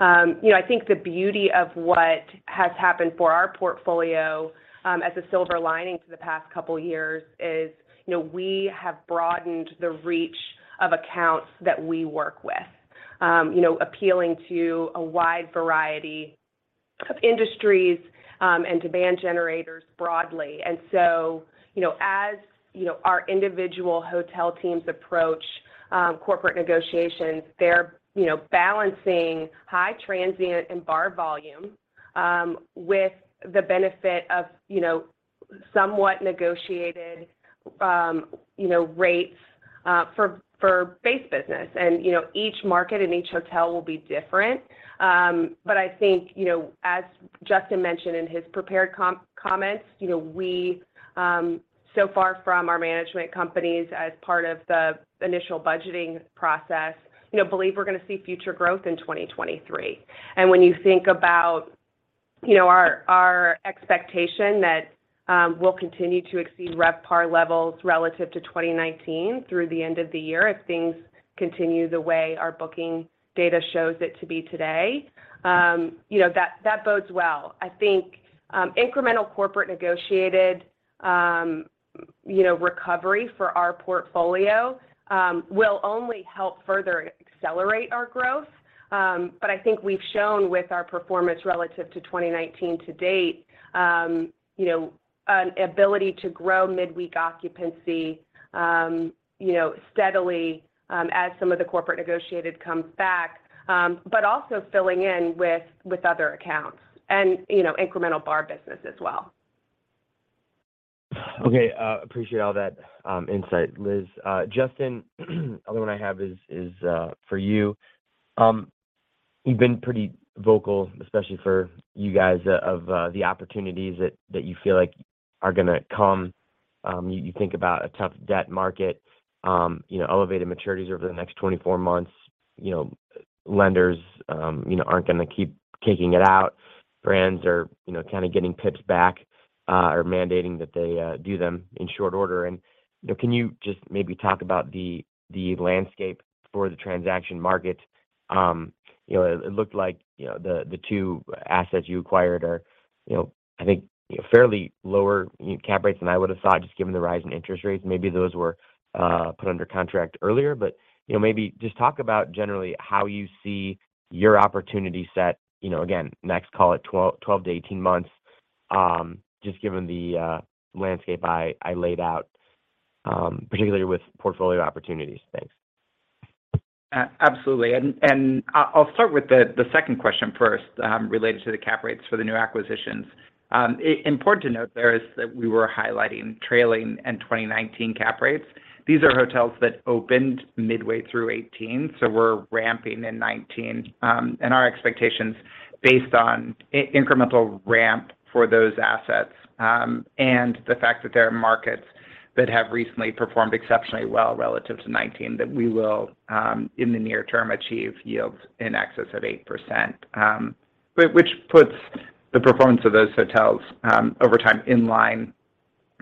You know, I think the beauty of what has happened for our portfolio, as a silver lining for the past couple years is, you know, we have broadened the reach of accounts that we work with, you know, appealing to a wide variety of industries, and demand generators broadly. you know, as you know, our individual hotel teams approach corporate negotiations, they're you know, balancing high transient and bar volume with the benefit of you know, somewhat negotiated you know, rates for base business. you know, each market and each hotel will be different. I think you know, as Justin mentioned in his prepared comments, you know, we so far from our management companies as part of the initial budgeting process, you know, believe we're gonna see future growth in 2023. when you think about you know, our expectation that we'll continue to exceed RevPAR levels relative to 2019 through the end of the year as things continue the way our booking data shows it to be today, you know, that bodes well. I think, incremental corporate negotiated, you know, recovery for our portfolio, will only help further accelerate our growth. I think we've shown with our performance relative to 2019 to date, you know, an ability to grow midweek occupancy, you know, steadily, as some of the corporate negotiated comes back, but also filling in with other accounts and, you know, incremental bar business as well. Okay. Appreciate all that insight, Liz. Justin, other one I have is for you. You've been pretty vocal, especially for you guys of the opportunities that you feel like are gonna come. You think about a tough debt market, you know, elevated maturities over the next 24 months, you know, lenders, you know, aren't gonna keep kicking it out. Brands are, you know, kind of getting pips back, or mandating that they do them in short order. You know, can you just maybe talk about the landscape for the transaction market? You know, it looked like, you know, the two assets you acquired are, you know, I think, fairly lower cap rates than I would have thought, just given the rise in interest rates. Maybe those were put under contract earlier. You know, maybe just talk about generally how you see your opportunity set, you know, again, next call at 12-18 months, just given the landscape I laid out, particularly with portfolio opportunities. Thanks. Absolutely. I'll start with the second question first, related to the cap rates for the new acquisitions. Important to note is that we were highlighting trailing and 2019 cap rates. These are hotels that opened midway through 2018, so we're ramping in 2019. Our expectations based on incremental ramp for those assets, and the fact that there are markets that have recently performed exceptionally well relative to 2019, that we will, in the near term, achieve yields in excess of 8%. Which puts the performance of those hotels, over time in line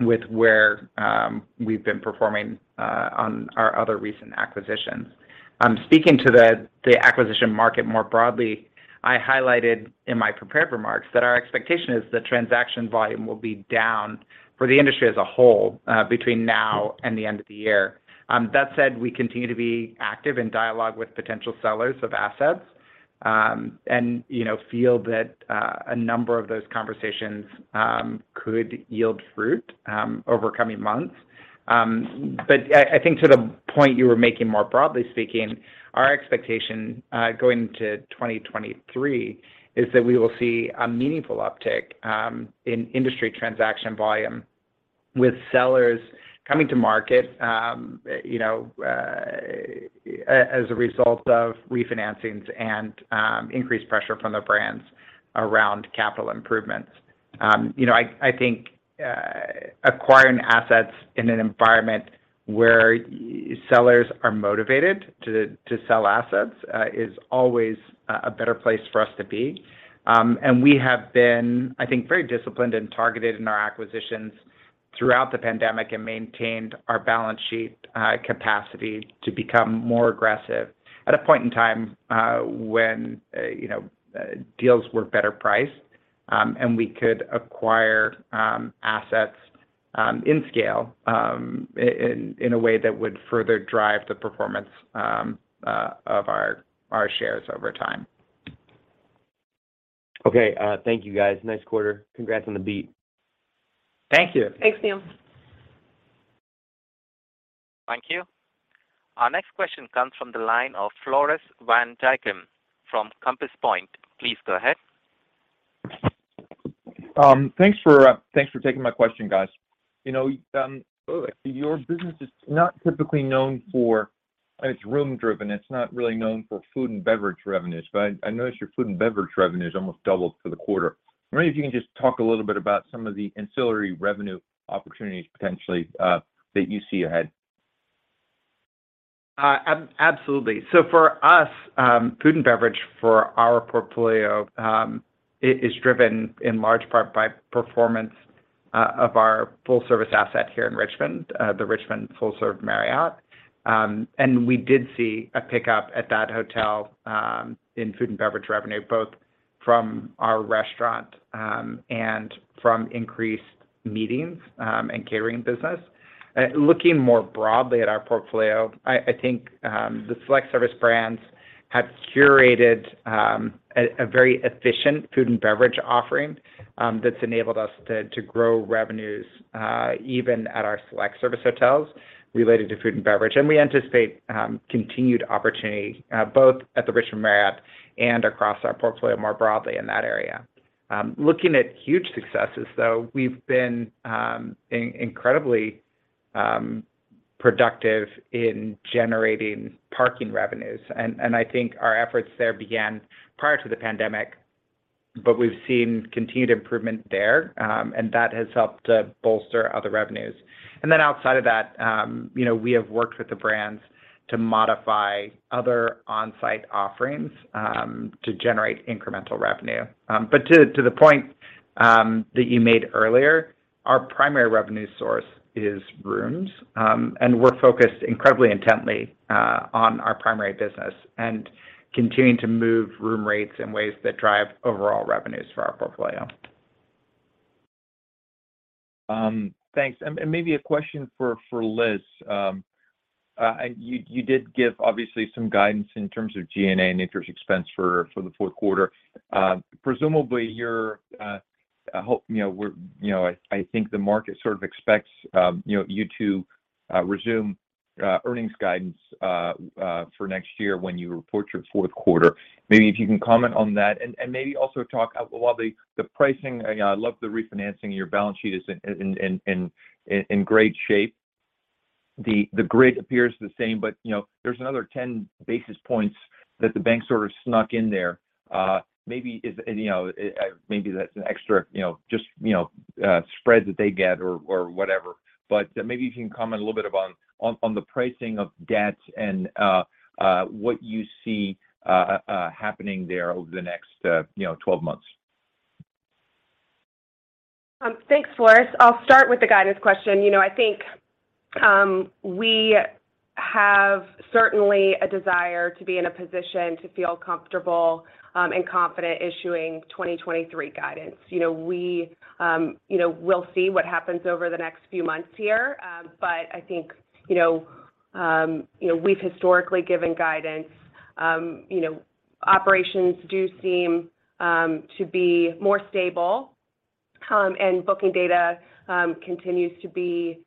with where, we've been performing on our other recent acquisitions. Speaking to the acquisition market more broadly, I highlighted in my prepared remarks that our expectation is that transaction volume will be down for the industry as a whole, between now and the end of the year. That said, we continue to be active in dialogue with potential sellers of assets, and, you know, feel that a number of those conversations could yield fruit over coming months. I think to the point you were making more broadly speaking, our expectation going into 2023 is that we will see a meaningful uptick in industry transaction volume, with sellers coming to market, you know, as a result of refinancings and increased pressure from the brands around capital improvements. You know, I think acquiring assets in an environment where sellers are motivated to sell assets is always a better place for us to be. We have been, I think, very disciplined and targeted in our acquisitions throughout the pandemic and maintained our balance sheet capacity to become more aggressive at a point in time when you know deals were better priced, and we could acquire assets in scale in a way that would further drive the performance of our shares over time. Okay. Thank you, guys. Nice quarter. Congrats on the beat. Thank you. Thanks, Neil. Thank you. Our next question comes from the line of Floris van Dijkum from Compass Point. Please go ahead. Thanks for taking my question, guys. You know, your business is room driven. It's not really known for food and beverage revenues, but I noticed your food and beverage revenues almost doubled for the quarter. I wonder if you can just talk a little bit about some of the ancillary revenue opportunities potentially that you see ahead. Absolutely. For us, food and beverage for our portfolio is driven in large part by performance of our full-service asset here in Richmond, the Richmond full-service Marriott. We did see a pickup at that hotel in food and beverage revenue, both from our restaurant and from increased meetings and catering business. Looking more broadly at our portfolio, I think the select-service brands have curated a very efficient food and beverage offering that's enabled us to grow revenues even at our select-service hotels related to food and beverage. We anticipate continued opportunity both at the Richmond Marriott and across our portfolio more broadly in that area. Looking at huge successes, though, we've been incredibly productive in generating parking revenues. I think our efforts there began prior to the pandemic, but we've seen continued improvement there, and that has helped to bolster other revenues. Then outside of that, you know, we have worked with the brands to modify other on-site offerings, to generate incremental revenue. But to the point that you made earlier, our primary revenue source is rooms, and we're focused incredibly intently on our primary business and continuing to move room rates in ways that drive overall revenues for our portfolio. Thanks, and maybe a question for Liz. You did give obviously some guidance in terms of G&A and interest expense for the fourth quarter. Presumably, I hope, you know, I think the market sort of expects, you know, you to resume earnings guidance for next year when you report your fourth quarter. Maybe if you can comment on that and maybe also talk about the pricing. You know, I love the refinancing. Your balance sheet is in great shape. The spread appears the same, but, you know, there's another 10 basis points that the bank sort of snuck in there. Maybe that's an extra, you know, just, you know, spread that they get or whatever. Maybe you can comment a little bit on the pricing of debt and what you see happening there over the next, you know, 12 months. Thanks, Floris. I'll start with the guidance question. You know, I think we have certainly a desire to be in a position to feel comfortable and confident issuing 2023 guidance. You know, we'll see what happens over the next few months here. I think you know we've historically given guidance. You know, operations do seem to be more stable and booking data continues to be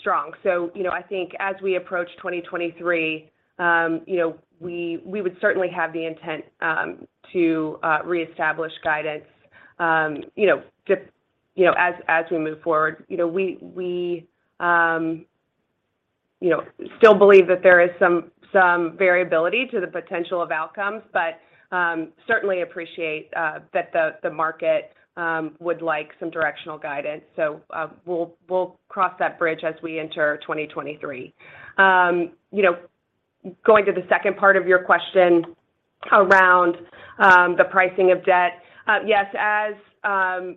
strong. You know, I think as we approach 2023, you know, we would certainly have the intent to reestablish guidance as we move forward. You know, still believe that there is some variability to the potential of outcomes, but certainly appreciate that the market would like some directional guidance. We'll cross that bridge as we enter 2023. You know, going to the second part of your question around the pricing of debt. Yes, as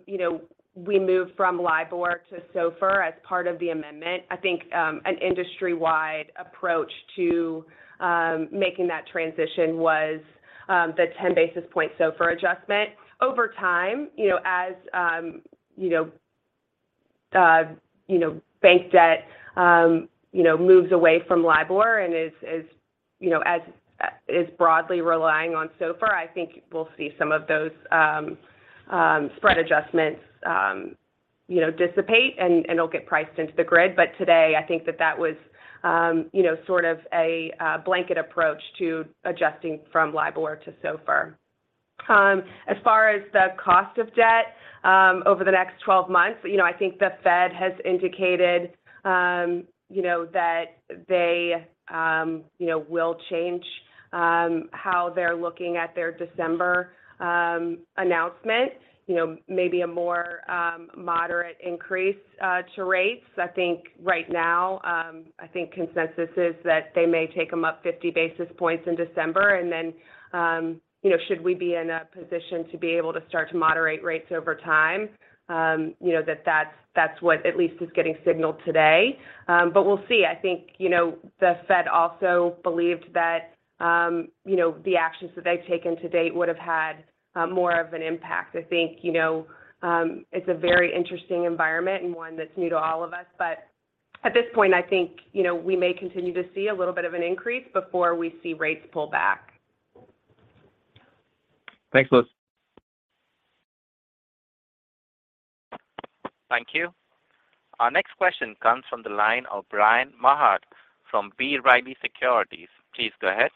you know, we move from LIBOR to SOFR as part of the amendment. I think an industry-wide approach to making that transition was the 10 basis point SOFR adjustment. Over time, you know, as bank debt moves away from LIBOR and is broadly relying on SOFR, I think we'll see some of those spread adjustments dissipate and it'll get priced into the grid. Today, I think that was, you know, sort of a blanket approach to adjusting from LIBOR to SOFR. As far as the cost of debt, over the next 12 months, you know, I think the Fed has indicated, you know, that they, you know, will change how they're looking at their December announcement. You know, maybe a more moderate increase to rates. I think right now, I think consensus is that they may take them up 50 basis points in December, and then, you know, should we be in a position to be able to start to moderate rates over time, you know, that's what at least is getting signaled today. We'll see. I think, you know, the Fed also believed that, you know, the actions that they've taken to date would have had more of an impact. I think, you know, it's a very interesting environment and one that's new to all of us. At this point, I think, you know, we may continue to see a little bit of an increase before we see rates pull back. Thanks, Liz. Thank you. Our next question comes from the line of Bryan Maher from B. Riley Securities. Please go ahead.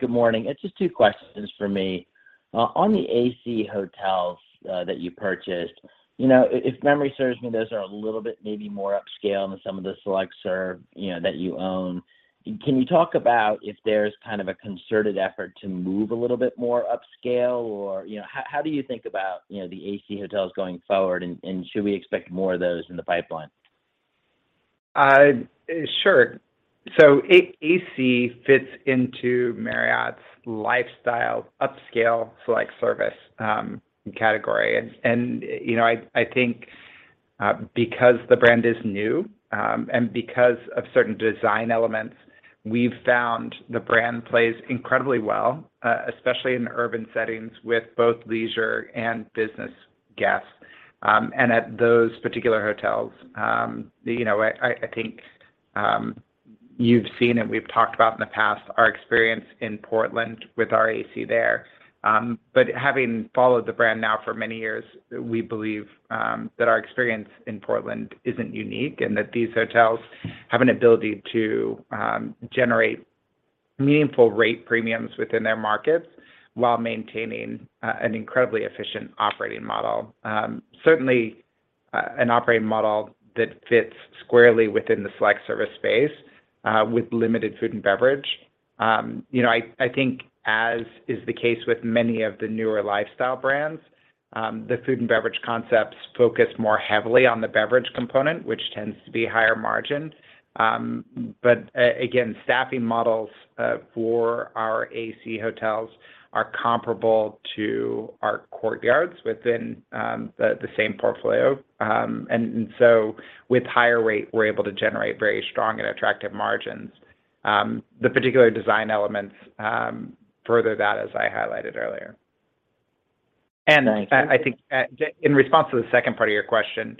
Good morning. It's just two questions for me. On the AC hotels that you purchased, you know, if memory serves me, those are a little bit maybe more upscale than some of the select-service, you know, that you own. Can you talk about if there's kind of a concerted effort to move a little bit more upscale, or, you know, how do you think about, you know, the AC hotels going forward, and should we expect more of those in the pipeline? Sure. AC fits into Marriott's lifestyle, upscale select service category. You know, I think, because the brand is new and because of certain design elements, we've found the brand plays incredibly well, especially in urban settings with both leisure and business guests and at those particular hotels. You know, I think, you've seen and we've talked about in the past our experience in Portland with our AC there. Having followed the brand now for many years, we believe that our experience in Portland isn't unique and that these hotels have an ability to generate meaningful rate premiums within their markets while maintaining an incredibly efficient operating model. Certainly, an operating model that fits squarely within the select service space with limited food and beverage. You know, I think as is the case with many of the newer lifestyle brands, the food and beverage concepts focus more heavily on the beverage component, which tends to be higher margin. But again, staffing models for our AC Hotels are comparable to our Courtyards within the same portfolio. And so with higher rate, we're able to generate very strong and attractive margins. The particular design elements further that, as I highlighted earlier. Thank you. I think in response to the second part of your question,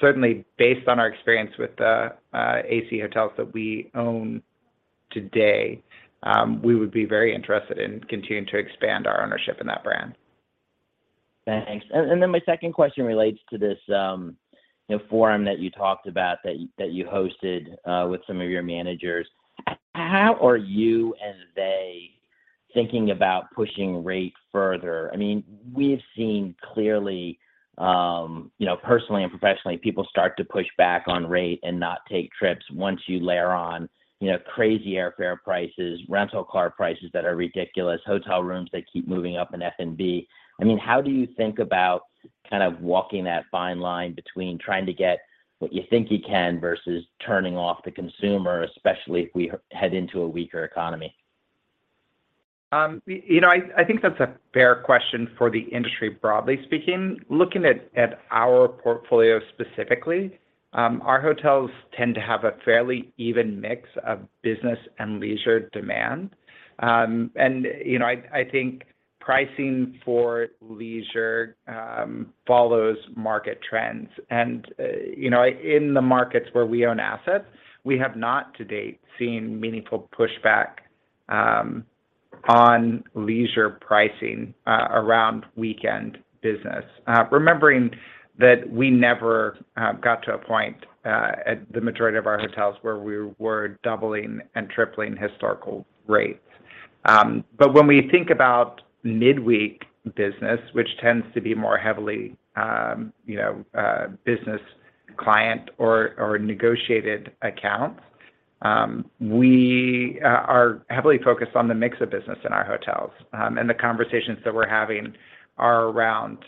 certainly based on our experience with the AC Hotels that we own today, we would be very interested in continuing to expand our ownership in that brand. Thanks. Then my second question relates to this, you know, forum that you talked about that you hosted with some of your managers. How are you and they thinking about pushing rate further? I mean, we've seen clearly, you know, personally and professionally, people start to push back on rate and not take trips once you layer on, you know, crazy airfare prices, rental car prices that are ridiculous, hotel rooms that keep moving up in F&B. I mean, how do you think about kind of walking that fine line between trying to get what you think you can versus turning off the consumer, especially if we head into a weaker economy? You know, I think that's a fair question for the industry, broadly speaking. Looking at our portfolio specifically, our hotels tend to have a fairly even mix of business and leisure demand. You know, I think pricing for leisure follows market trends. You know, in the markets where we own assets, we have not to date seen meaningful pushback on leisure pricing around weekend business. Remembering that we never got to a point at the majority of our hotels where we were doubling and tripling historical rates. When we think about midweek business, which tends to be more heavily, you know, business client or negotiated accounts, we are heavily focused on the mix of business in our hotels. The conversations that we're having are around,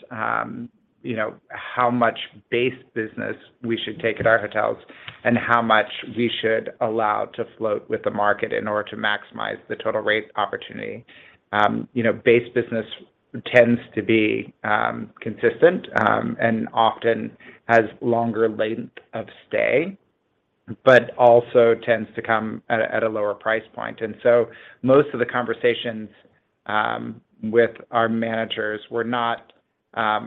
you know, how much base business we should take at our hotels and how much we should allow to float with the market in order to maximize the total rate opportunity. You know, base business tends to be consistent and often has longer length of stay, but also tends to come at a lower price point. Most of the conversations with our managers were not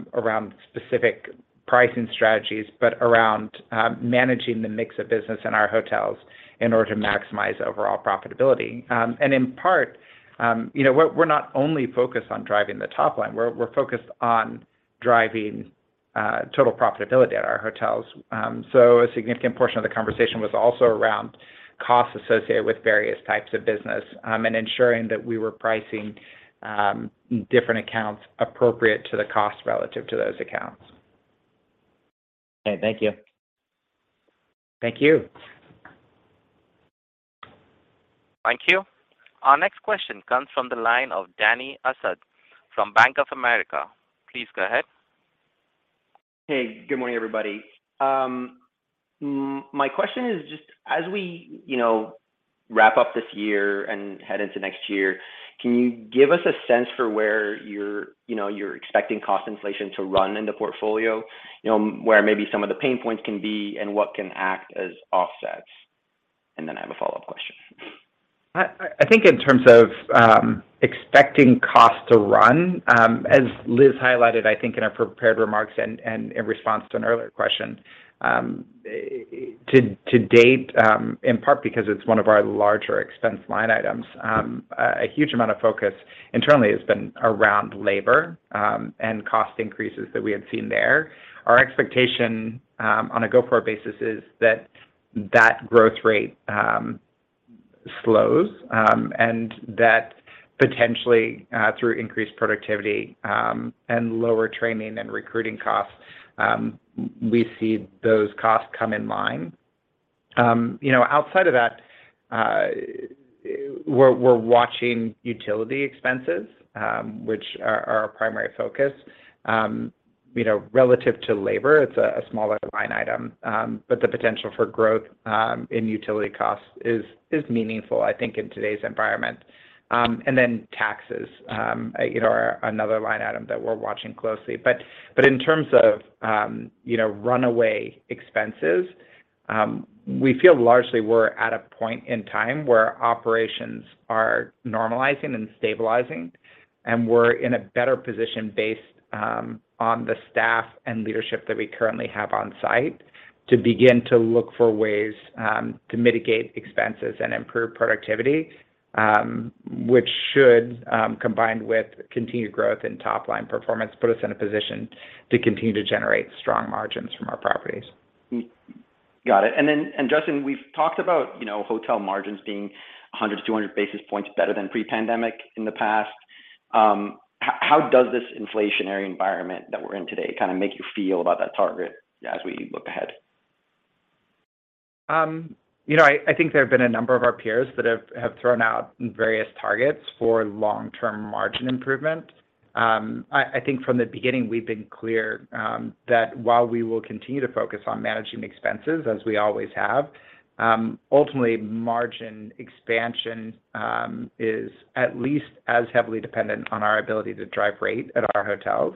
around specific pricing strategies, but around managing the mix of business in our hotels in order to maximize overall profitability. In part, you know, we're not only focused on driving the top line. We're focused on driving total profitability at our hotels. A significant portion of the conversation was also around costs associated with various types of business, and ensuring that we were pricing different accounts appropriate to the cost relative to those accounts. Okay. Thank you. Thank you. Thank you. Our next question comes from the line of Dany Asad from Bank of America. Please go ahead. Hey, good morning, everybody. My question is just as we, you know, wrap up this year and head into next year, can you give us a sense for where you're, you know, you're expecting cost inflation to run in the portfolio, you know, where maybe some of the pain points can be and what can act as offsets? I have a follow-up question. I think in terms of expecting costs to run as Liz highlighted, I think in our prepared remarks and in response to an earlier question, to date, in part because it's one of our larger expense line items, a huge amount of focus internally has been around labor and cost increases that we had seen there. Our expectation on a go-forward basis is that growth rate slows and that potentially through increased productivity and lower training and recruiting costs we see those costs come in line. You know, outside of that, we're watching utility expenses, which are our primary focus. You know, relative to labor, it's a smaller line item, but the potential for growth in utility costs is meaningful, I think, in today's environment. Taxes, you know, are another line item that we're watching closely. In terms of, you know, runaway expenses, we feel largely we're at a point in time where operations are normalizing and stabilizing, and we're in a better position based on the staff and leadership that we currently have on site to begin to look for ways to mitigate expenses and improve productivity, which should, combined with continued growth in top-line performance, put us in a position to continue to generate strong margins from our properties. Got it. Justin, we've talked about, you know, hotel margins being 100-200 basis points better than pre-pandemic in the past. How does this inflationary environment that we're in today kind of make you feel about that target as we look ahead? You know, I think there have been a number of our peers that have thrown out various targets for long-term margin improvement. I think from the beginning, we've been clear that while we will continue to focus on managing expenses as we always have, ultimately margin expansion is at least as heavily dependent on our ability to drive rate at our hotels.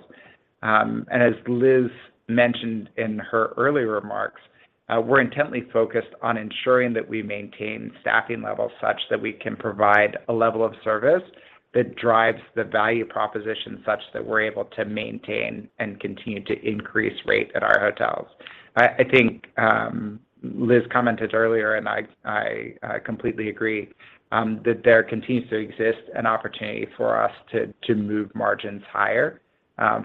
As Liz mentioned in her earlier remarks, we're intently focused on ensuring that we maintain staffing levels such that we can provide a level of service that drives the value proposition such that we're able to maintain and continue to increase rate at our hotels. I think Liz commented earlier, and I completely agree that there continues to exist an opportunity for us to move margins higher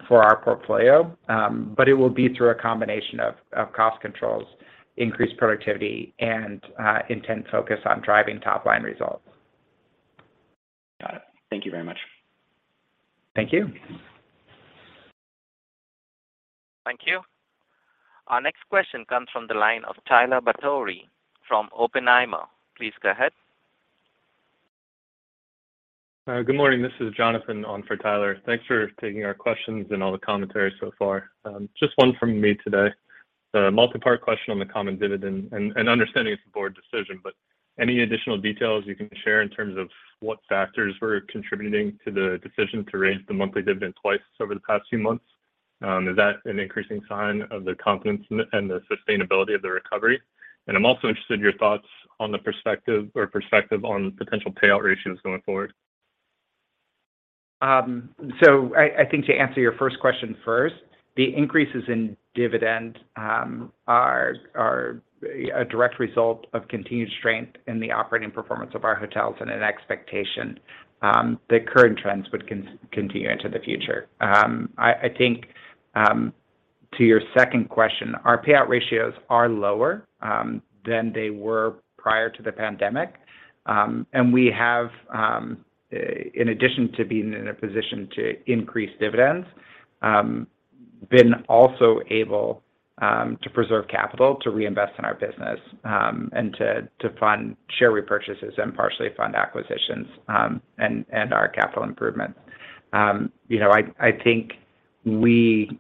for our portfolio. It will be through a combination of cost controls, increased productivity, and intense focus on driving top-line results. Got it. Thank you very much. Thank you. Thank you. Our next question comes from the line of Tyler Batory from Oppenheimer. Please go ahead. Good morning. This is Jonathan on for Tyler. Thanks for taking our questions and all the commentary so far. Just one from me today. A multi-part question on the common dividend and understanding it's a board decision, but any additional details you can share in terms of what factors were contributing to the decision to raise the monthly dividend twice over the past few months? Is that an increasing sign of the confidence in the and the sustainability of the recovery? I'm also interested in your thoughts on the perspective on potential payout ratios going forward. I think to answer your first question first, the increases in dividend are a direct result of continued strength in the operating performance of our hotels and an expectation that current trends would continue into the future. I think, to your second question, our payout ratios are lower than they were prior to the pandemic. We have, in addition to being in a position to increase dividends, been also able to preserve capital to reinvest in our business, and to fund share repurchases and partially fund acquisitions, and our capital improvements. You know, I think we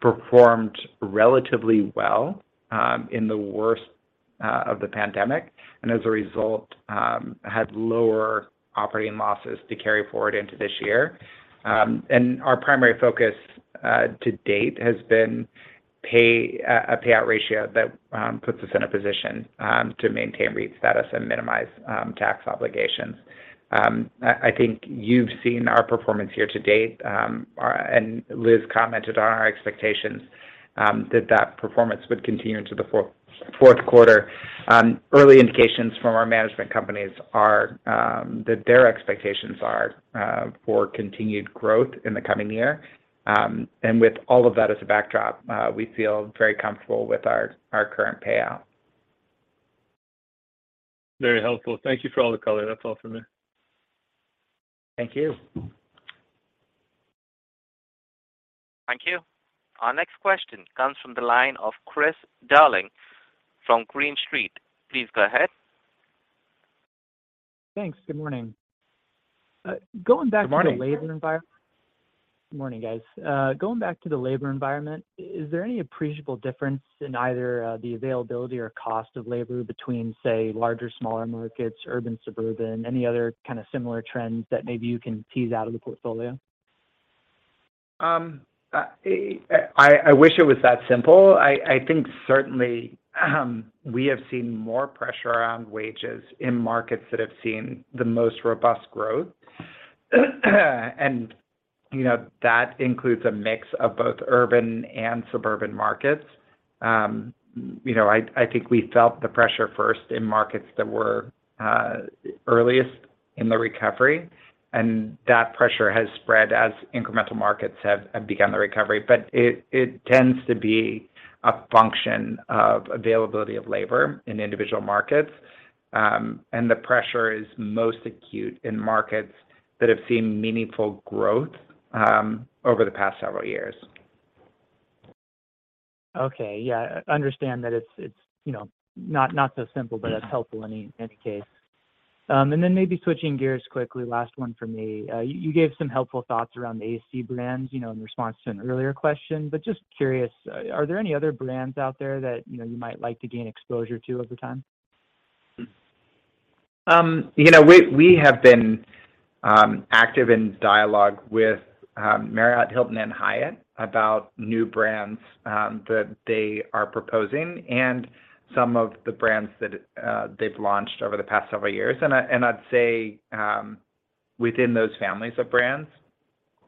performed relatively well in the worst of the pandemic, and as a result, had lower operating losses to carry forward into this year. Our primary focus to date has been a payout ratio that puts us in a position to maintain REIT status and minimize tax obligations. I think you've seen our performance here to date. Liz commented on our expectations that that performance would continue into the fourth quarter. Early indications from our management companies are that their expectations are for continued growth in the coming year. With all of that as a backdrop, we feel very comfortable with our current payout. Very helpful. Thank you for all the color. That's all for me. Thank you. Thank you. Our next question comes from the line of Chris Darling from Green Street. Please go ahead. Thanks. Good morning. Going back. Good morning. to the labor environment. Good morning, guys. Going back to the labor environment, is there any appreciable difference in either, the availability or cost of labor between, say, larger, smaller markets, urban, suburban, any other kind of similar trends that maybe you can tease out of the portfolio? I wish it was that simple. I think certainly, we have seen more pressure around wages in markets that have seen the most robust growth, and you know, that includes a mix of both urban and suburban markets. You know, I think we felt the pressure first in markets that were earliest in the recovery, and that pressure has spread as incremental markets have begun the recovery. It tends to be a function of availability of labor in individual markets, and the pressure is most acute in markets that have seen meaningful growth, over the past several years. Okay. Yeah. Understand that it's, you know, not so simple. Mm-hmm That's helpful in any case. Maybe switching gears quickly. Last one for me. You gave some helpful thoughts around the AC brands, you know, in response to an earlier question. Just curious, are there any other brands out there that, you know, you might like to gain exposure to over time? You know, we have been active in dialogue with Marriott, Hilton, and Hyatt about new brands that they are proposing and some of the brands that they've launched over the past several years. I'd say, within those families of brands,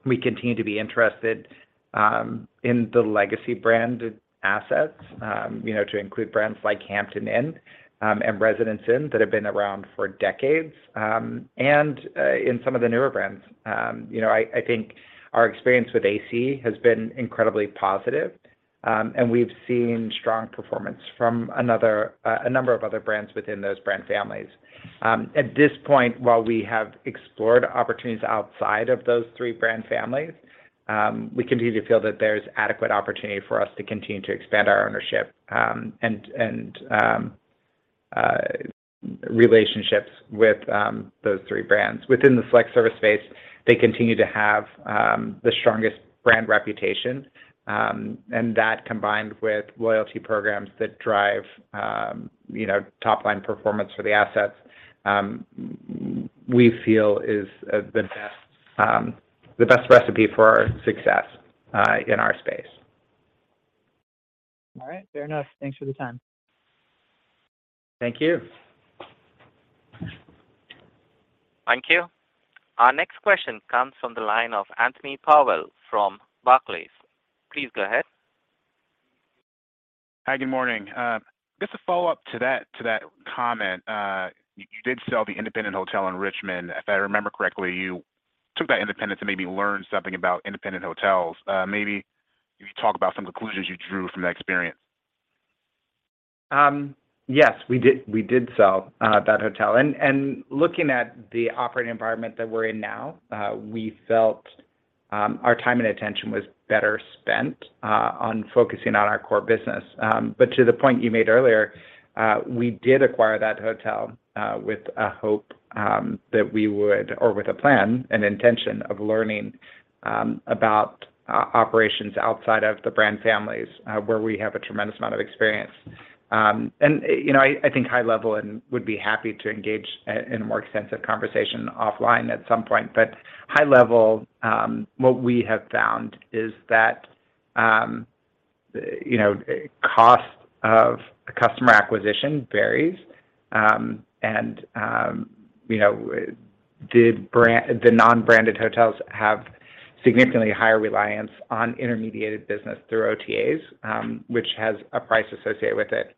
we continue to be interested in the legacy branded assets, you know, to include brands like Hampton Inn and Residence Inn that have been around for decades, and in some of the newer brands. You know, I think our experience with AC has been incredibly positive, and we've seen strong performance from a number of other brands within those brand families. At this point, while we have explored opportunities outside of those three brand families, we continue to feel that there's adequate opportunity for us to continue to expand our ownership and relationships with those three brands. Within the select service space, they continue to have the strongest brand reputation and that combined with loyalty programs that drive, you know, top-line performance for the assets, we feel is the best recipe for success in our space. All right. Fair enough. Thanks for the time. Thank you. Thank you. Our next question comes from the line of Anthony Powell from Barclays. Please go ahead. Hi. Good morning. Just a follow-up to that comment. You did sell the independent hotel in Richmond. If I remember correctly, you took that independent to maybe learn something about independent hotels. Maybe if you could talk about some conclusions you drew from that experience. Yes. We did sell that hotel. Looking at the operating environment that we're in now, we felt our time and attention was better spent on focusing on our core business. To the point you made earlier, we did acquire that hotel with a hope that we would, or with a plan and intention of learning about operations outside of the brand families where we have a tremendous amount of experience. You know, I think high level and would be happy to engage in a more extensive conversation offline at some point. High level, what we have found is that you know, cost of a customer acquisition varies and you know, the brand. The non-branded hotels have significantly higher reliance on intermediated business through OTAs, which has a price associated with it.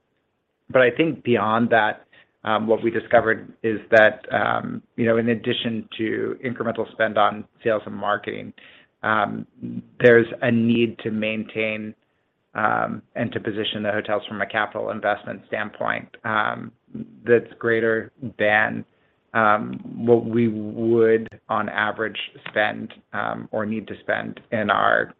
I think beyond that, what we discovered is that, you know, in addition to incremental spend on sales and marketing, there's a need to maintain and to position the hotels from a capital investment standpoint, that's greater than what we would on average spend or need to spend in our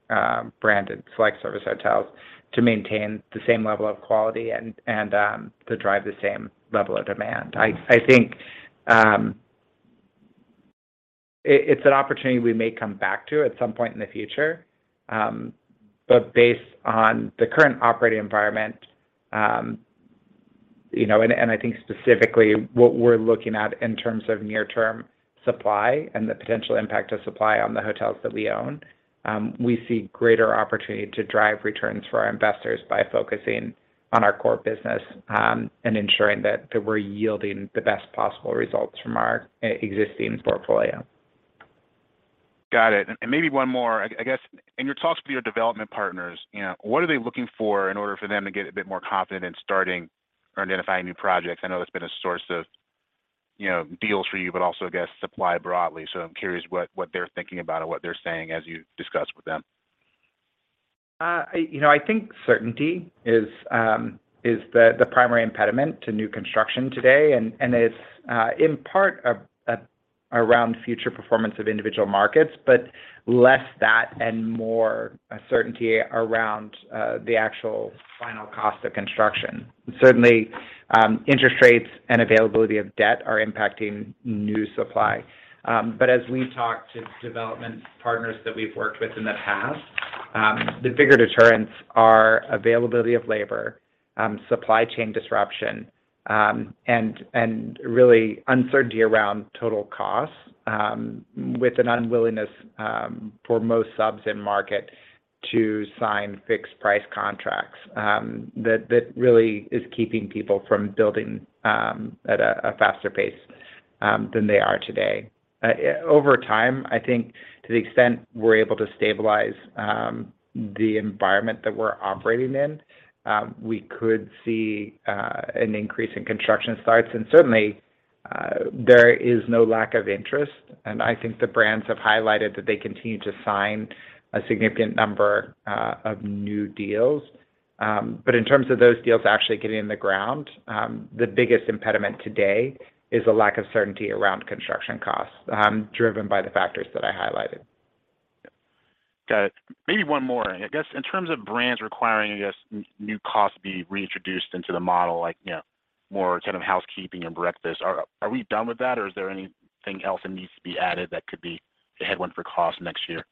branded select service hotels to maintain the same level of quality and to drive the same level of demand. I think it's an opportunity we may come back to at some point in the future. Based on the current operating environment, you know, and I think specifically what we're looking at in terms of near term supply and the potential impact of supply on the hotels that we own, we see greater opportunity to drive returns for our investors by focusing on our core business, and ensuring that we're yielding the best possible results from our existing portfolio. Got it. Maybe one more. I guess in your talks with your development partners, you know, what are they looking for in order for them to get a bit more confident in starting or identifying new projects? I know that's been a source of, you know, deals for you, but also I guess supply broadly. I'm curious what they're thinking about or what they're saying as you discuss with them. You know, I think certainty is the primary impediment to new construction today. It's in part around future performance of individual markets, but less that and more a certainty around the actual final cost of construction. Certainly, interest rates and availability of debt are impacting new supply. As we talk to development partners that we've worked with in the past, the bigger deterrents are availability of labor, supply chain disruption, and really uncertainty around total costs, with an unwillingness for most subs in market to sign fixed price contracts, that really is keeping people from building at a faster pace than they are today. Over time, I think to the extent we're able to stabilize the environment that we're operating in, we could see an increase in construction starts. Certainly, there is no lack of interest, and I think the brands have highlighted that they continue to sign a significant number of new deals. In terms of those deals actually getting in the ground, the biggest impediment today is a lack of certainty around construction costs, driven by the factors that I highlighted. Got it. Maybe one more. I guess in terms of brands requiring, I guess, new costs be reintroduced into the model, like, you know, more kind of housekeeping and breakfast, are we done with that or is there anything else that needs to be added that could be a headwind for cost next year?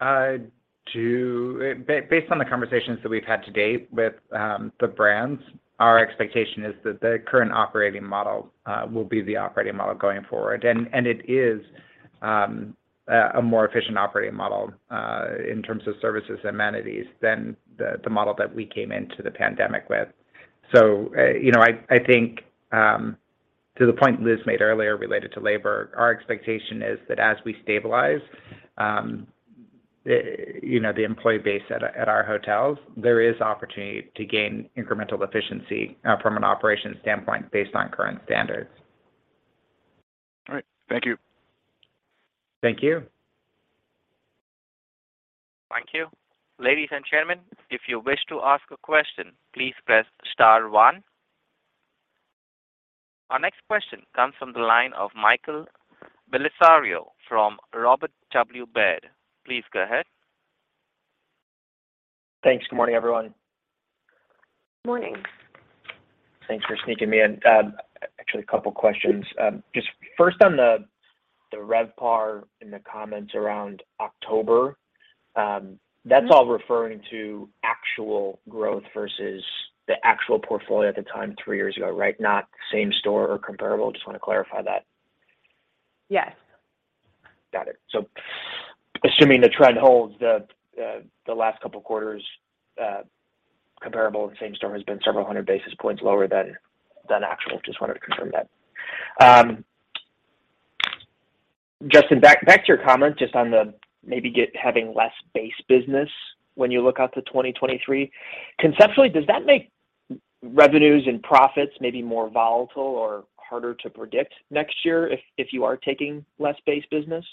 Based on the conversations that we've had to date with the brands, our expectation is that the current operating model will be the operating model going forward. It is a more efficient operating model in terms of services and amenities than the model that we came into the pandemic with. You know, I think to the point Liz made earlier related to labor, our expectation is that as we stabilize you know the employee base at our hotels, there is opportunity to gain incremental efficiency from an operations standpoint based on current standards. All right. Thank you. Thank you. Thank you. Ladies and gentlemen, if you wish to ask a question, please press star one. Our next question comes from the line of Michael Bellisario from Robert W. Baird. Please go ahead. Thanks. Good morning, everyone. Morning. Thanks for sneaking me in. Actually a couple questions. Just first on the RevPAR in the comments around October, that's all referring to actual growth versus the actual portfolio at the time three years ago, right? Not same store or comparable. Just wanna clarify that. Yes. Got it. Assuming the trend holds, the last couple quarters, comparable and same store has been several hundred basis points lower than actual. Just wanted to confirm that. Justin, back to your comment just on the having less base business when you look out to 2023. Conceptually, does that make revenues and profits maybe more volatile or harder to predict next year if you are taking less base business?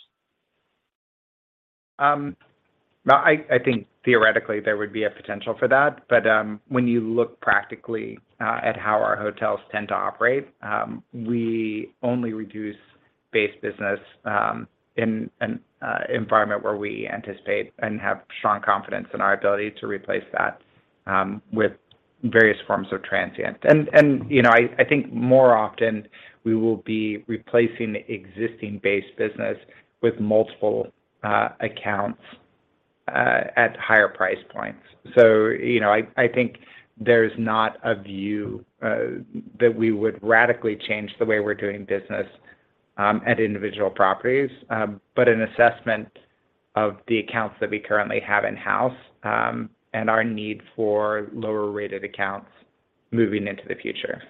No, I think theoretically there would be a potential for that. When you look practically at how our hotels tend to operate, we only reduce base business in an environment where we anticipate and have strong confidence in our ability to replace that with various forms of transient. You know, I think more often we will be replacing existing base business with multiple accounts at higher price points. You know, I think there's not a view that we would radically change the way we're doing business at individual properties. An assessment of the accounts that we currently have in-house and our need for lower rated accounts moving into the future.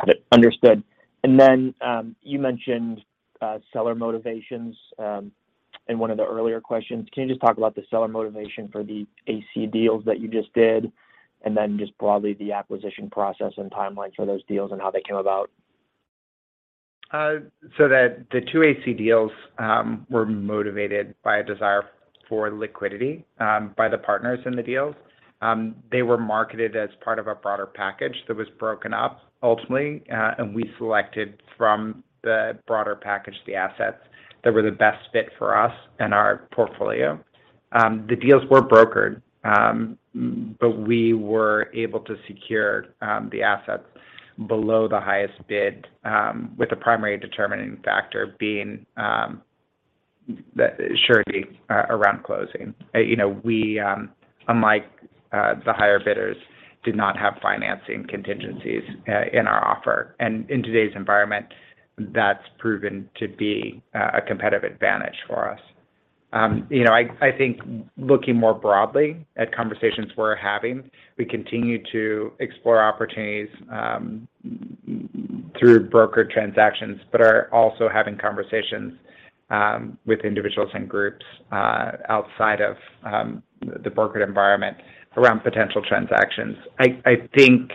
Got it. Understood. You mentioned seller motivations in one of the earlier questions. Can you just talk about the seller motivation for the AC deals that you just did, and then just broadly the acquisition process and timeline for those deals and how they came about? The two AC deals were motivated by a desire for liquidity by the partners in the deals. They were marketed as part of a broader package that was broken up ultimately. We selected from the broader package, the assets that were the best fit for us and our portfolio. The deals were brokered, but we were able to secure the assets below the highest bid, with the primary determining factor being the surety around closing. You know, we, unlike the higher bidders, did not have financing contingencies in our offer. In today's environment, that's proven to be a competitive advantage for us. You know, I think looking more broadly at conversations we're having, we continue to explore opportunities through brokered transactions, but are also having conversations with individuals and groups outside of the brokered environment around potential transactions. I think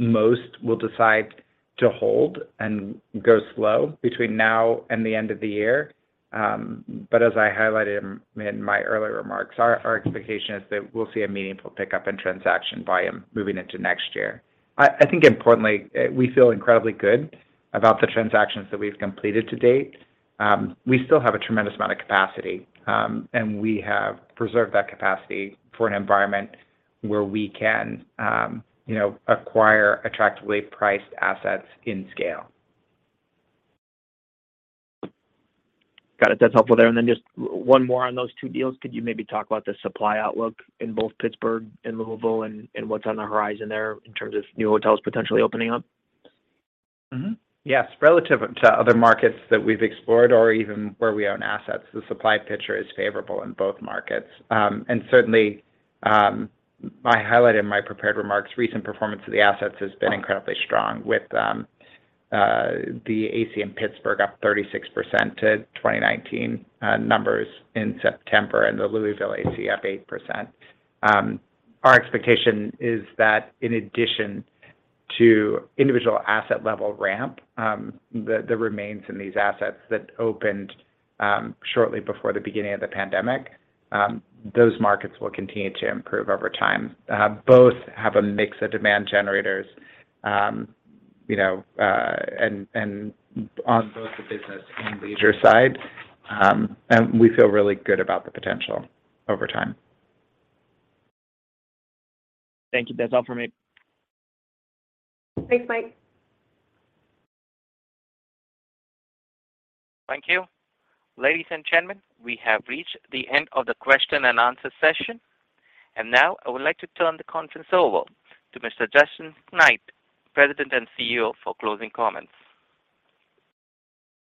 most will decide to hold and go slow between now and the end of the year. As I highlighted in my earlier remarks, our expectation is that we'll see a meaningful pickup in transaction volume moving into next year. I think importantly, we feel incredibly good about the transactions that we've completed to date. We still have a tremendous amount of capacity, and we have preserved that capacity for an environment where we can, you know, acquire attractively priced assets in scale. Got it. That's helpful there. Just one more on those two deals. Could you maybe talk about the supply outlook in both Pittsburgh and Louisville and what's on the horizon there in terms of new hotels potentially opening up? Yes. Relative to other markets that we've explored or even where we own assets, the supply picture is favorable in both markets. Certainly, I highlighted in my prepared remarks, recent performance of the assets has been incredibly strong with the AC in Pittsburgh up 36% to 2019 numbers in September, and the Louisville AC up 8%. Our expectation is that in addition to individual asset level ramp, the RevPARs in these assets that opened shortly before the beginning of the pandemic, those markets will continue to improve over time. Both have a mix of demand generators, you know, and on both the business and leisure side. We feel really good about the potential over time. Thank you. That's all for me. Thanks, Mike. Thank you. Ladies and gentlemen, we have reached the end of the question and answer session. Now I would like to turn the conference over to Mr. Justin Knight, President and CEO, for closing comments.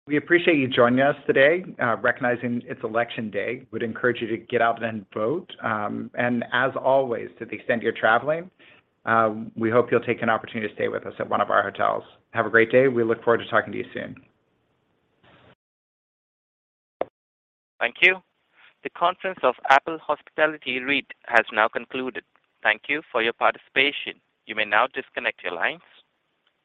We appreciate you joining us today, recognizing it's election day. We'd encourage you to get out there and vote. As always, to the extent you're traveling, we hope you'll take an opportunity to stay with us at one of our hotels. Have a great day. We look forward to talking to you soon. Thank you. The conference of Apple Hospitality REIT has now concluded. Thank you for your participation. You may now disconnect your lines.